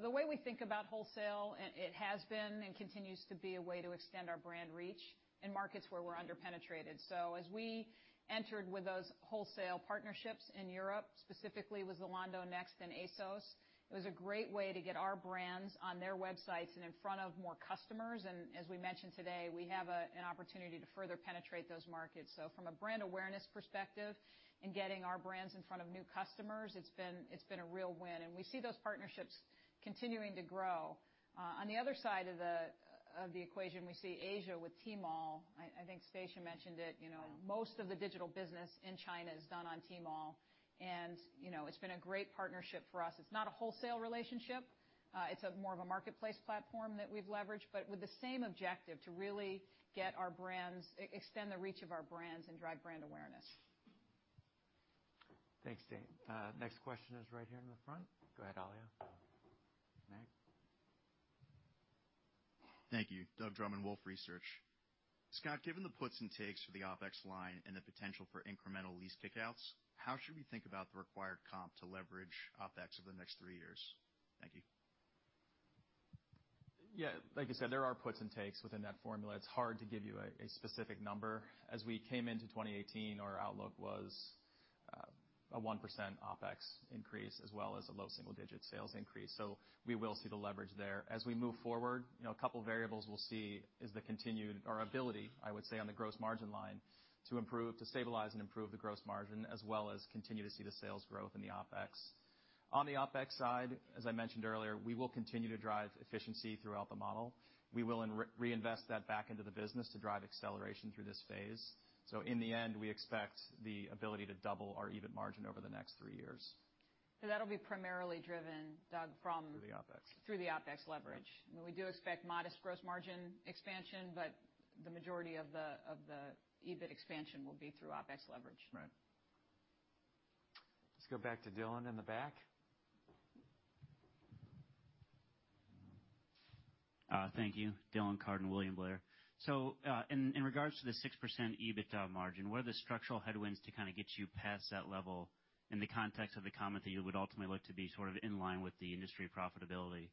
The way we think about wholesale, it has been and continues to be a way to extend our brand reach in markets where we're under-penetrated. As we entered with those wholesale partnerships in Europe, specifically with Zalando, Next, and ASOS, it was a great way to get our brands on their websites and in front of more customers. As we mentioned today, we have an opportunity to further penetrate those markets. From a brand awareness perspective and getting our brands in front of new customers, it's been a real win, and we see those partnerships continuing to grow. On the other side of the equation, we see Asia with Tmall. I think Stacia mentioned it. Yeah. Most of the digital business in China is done on Tmall. It's been a great partnership for us. It's not a wholesale relationship. It's more of a marketplace platform that we've leveraged, with the same objective, to really extend the reach of our brands and drive brand awareness. Thanks, Dana. Next question is right here in the front. Go ahead, Alia. Nick. Thank you. Doug Drummond, Wolfe Research. Scott, given the puts and takes for the OpEx line and the potential for incremental lease kick-outs, how should we think about the required comp to leverage OpEx over the next three years? Thank you. Yeah, like you said, there are puts and takes within that formula. It's hard to give you a specific number. As we came into 2018, our outlook was a 1% OpEx increase as well as a low single-digit sales increase. We will see the leverage there. As we move forward, a couple of variables we'll see is the continued or ability, I would say, on the gross margin line to stabilize and improve the gross margin, as well as continue to see the sales growth in the OpEx. On the OpEx side, as I mentioned earlier, we will continue to drive efficiency throughout the model. We will reinvest that back into the business to drive acceleration through this phase. In the end, we expect the ability to double our EBIT margin over the next three years. That'll be primarily driven, Doug, from. Through the OpEx. through the OpEx leverage. We do expect modest gross margin expansion, but the majority of the EBIT expansion will be through OpEx leverage. Right. Let's go back to Dylan in the back. Thank you. Dylan Carden, William Blair. In regards to the 6% EBITDA margin, what are the structural headwinds to kind of get you past that level in the context of the comment that you would ultimately look to be sort of in line with the industry profitability?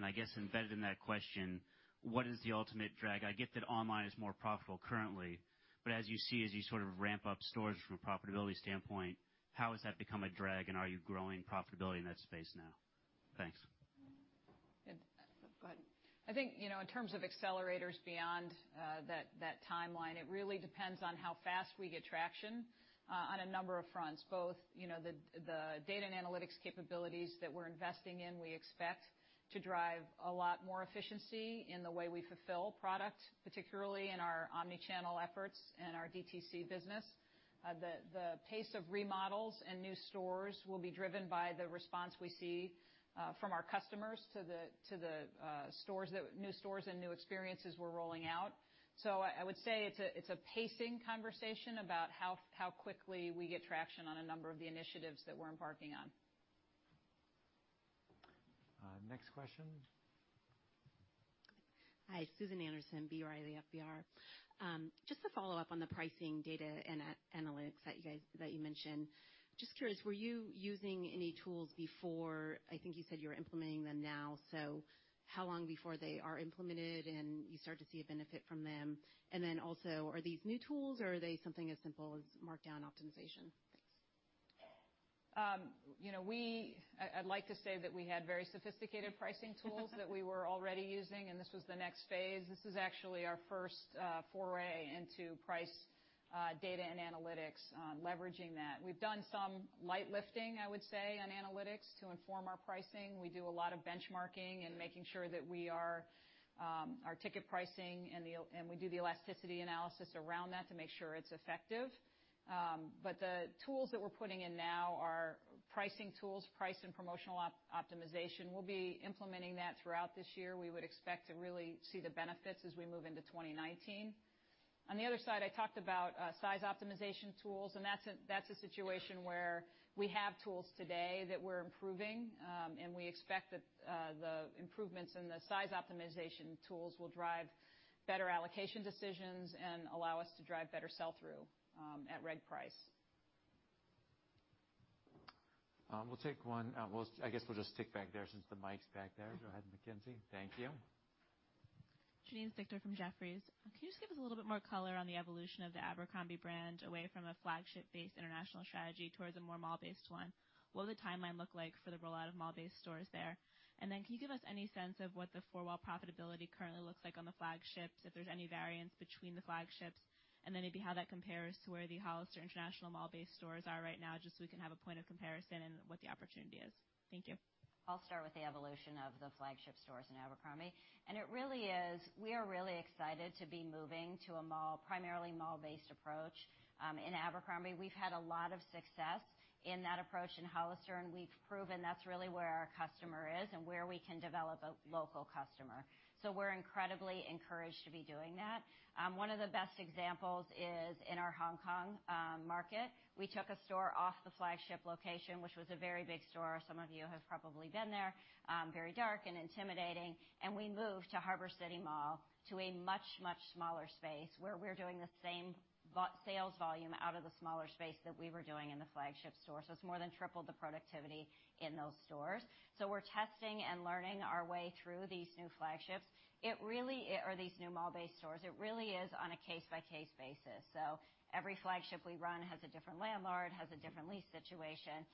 I guess embedded in that question, what is the ultimate drag? I get that online is more profitable currently, as you see, as you sort of ramp up stores from a profitability standpoint, how has that become a drag, and are you growing profitability in that space now? Thanks. Go ahead. I think, in terms of accelerators beyond that timeline, it really depends on how fast we get traction on a number of fronts, both the data and analytics capabilities that we're investing in, we expect to drive a lot more efficiency in the way we fulfill product, particularly in our omni-channel efforts and our DTC business. The pace of remodels and new stores will be driven by the response we see from our customers to the new stores and new experiences we're rolling out. I would say it's a pacing conversation about how quickly we get traction on a number of the initiatives that we're embarking on. Next question. Hi, Susan Anderson, B. Riley FBR. To follow up on the pricing data and analytics that you mentioned, curious, were you using any tools before? I think you said you were implementing them now, how long before they are implemented and you start to see a benefit from them? Are these new tools, or are they something as simple as markdown optimization? Thanks. I'd like to say that we had very sophisticated pricing tools that we were already using. This was the next phase. This is actually our first foray into price data and analytics, leveraging that. We've done some light lifting, I would say, on analytics to inform our pricing. We do a lot of benchmarking and making sure that our ticket pricing, and we do the elasticity analysis around that to make sure it's effective. The tools that we're putting in now are pricing tools, price and promotional optimization. We'll be implementing that throughout this year. We would expect to really see the benefits as we move into 2019. On the other side, I talked about size optimization tools, and that's a situation where we have tools today that we're improving. We expect that the improvements in the size optimization tools will drive better allocation decisions and allow us to drive better sell-through at reg price. We'll take one. I guess we'll just stick back there since the mic's back there. Go ahead, McKenzie. Thank you. Janine Stichter from Jefferies. Can you just give us a little bit more color on the evolution of the Abercrombie brand away from a flagship-based international strategy towards a more mall-based one? What will the timeline look like for the rollout of mall-based stores there? Can you give us any sense of what the four-wall profitability currently looks like on the flagships, if there's any variance between the flagships, and then maybe how that compares to where the Hollister International mall-based stores are right now, just so we can have a point of comparison and what the opportunity is. Thank you. I'll start with the evolution of the flagship stores in Abercrombie. We are really excited to be moving to a primarily mall-based approach in Abercrombie, we've had a lot of success in that approach in Hollister, and we've proven that's really where our customer is and where we can develop a local customer. We're incredibly encouraged to be doing that. One of the best examples is in our Hong Kong market. We took a store off the flagship location, which was a very big store. Some of you have probably been there, very dark and intimidating. We moved to Harbour City Mall to a much, much smaller space where we're doing the same sales volume out of the smaller space that we were doing in the flagship store. It's more than tripled the productivity in those stores. We're testing and learning our way through these new flagships or these new mall-based stores. It really is on a case-by-case basis. Every flagship we run has a different landlord, has a different lease situation.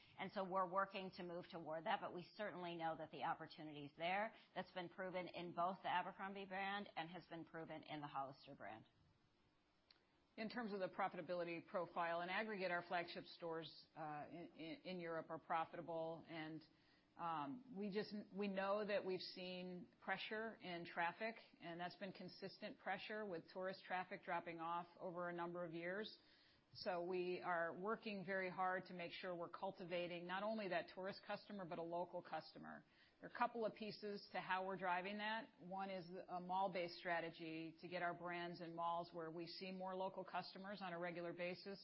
We're working to move toward that. We certainly know that the opportunity is there. That's been proven in both the Abercrombie brand and has been proven in the Hollister brand. In terms of the profitability profile, in aggregate, our flagship stores in Europe are profitable. We know that we've seen pressure in traffic, and that's been consistent pressure with tourist traffic dropping off over a number of years. We are working very hard to make sure we're cultivating not only that tourist customer but a local customer. There are a couple of pieces to how we're driving that. One is a mall-based strategy to get our brands in malls where we see more local customers on a regular basis.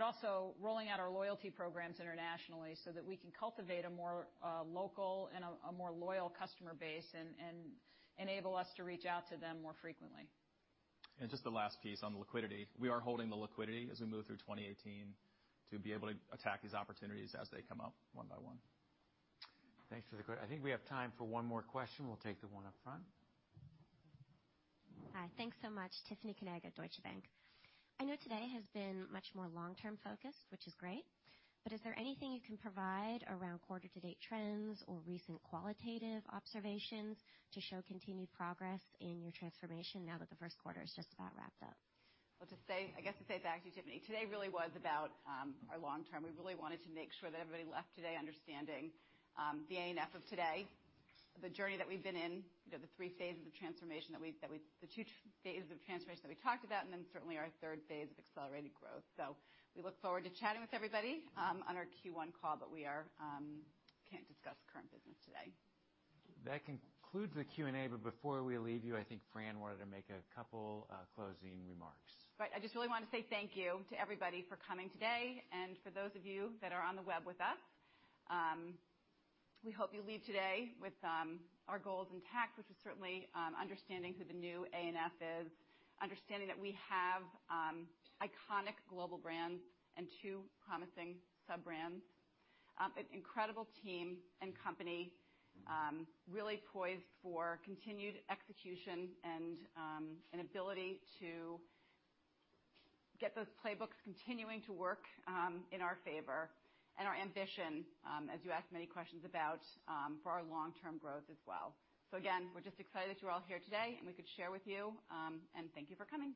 Also rolling out our loyalty programs internationally so that we can cultivate a more local and a more loyal customer base and enable us to reach out to them more frequently. Just the last piece on liquidity. We are holding the liquidity as we move through 2018 to be able to attack these opportunities as they come up one by one. Thanks for the question. I think we have time for one more question. We'll take the one up front. Hi, thanks so much. Tiffany Kanaga, Deutsche Bank. I know today has been much more long-term focused, which is great, but is there anything you can provide around quarter-to-date trends or recent qualitative observations to show continued progress in your transformation now that the first quarter is just about wrapped up? I guess to say back to you, Tiffany, today really was about our long term. We really wanted to make sure that everybody left today understanding the ANF of today, the journey that we've been in, the two phases of transformation that we talked about, and then certainly our third phase of accelerated growth. We look forward to chatting with everybody on our Q1 call, but we can't discuss current business today. That concludes the Q&A. Before we leave you, I think Fran wanted to make a couple closing remarks. Right. I just really want to say thank you to everybody for coming today and for those of you that are on the web with us. We hope you leave today with our goals intact, which is certainly understanding who the new ANF is, understanding that we have iconic global brands and two promising sub-brands, an incredible team and company really poised for continued execution and an ability to get those playbooks continuing to work in our favor, and our ambition, as you asked many questions about, for our long-term growth as well. Again, we're just excited that you're all here today and we could share with you, and thank you for coming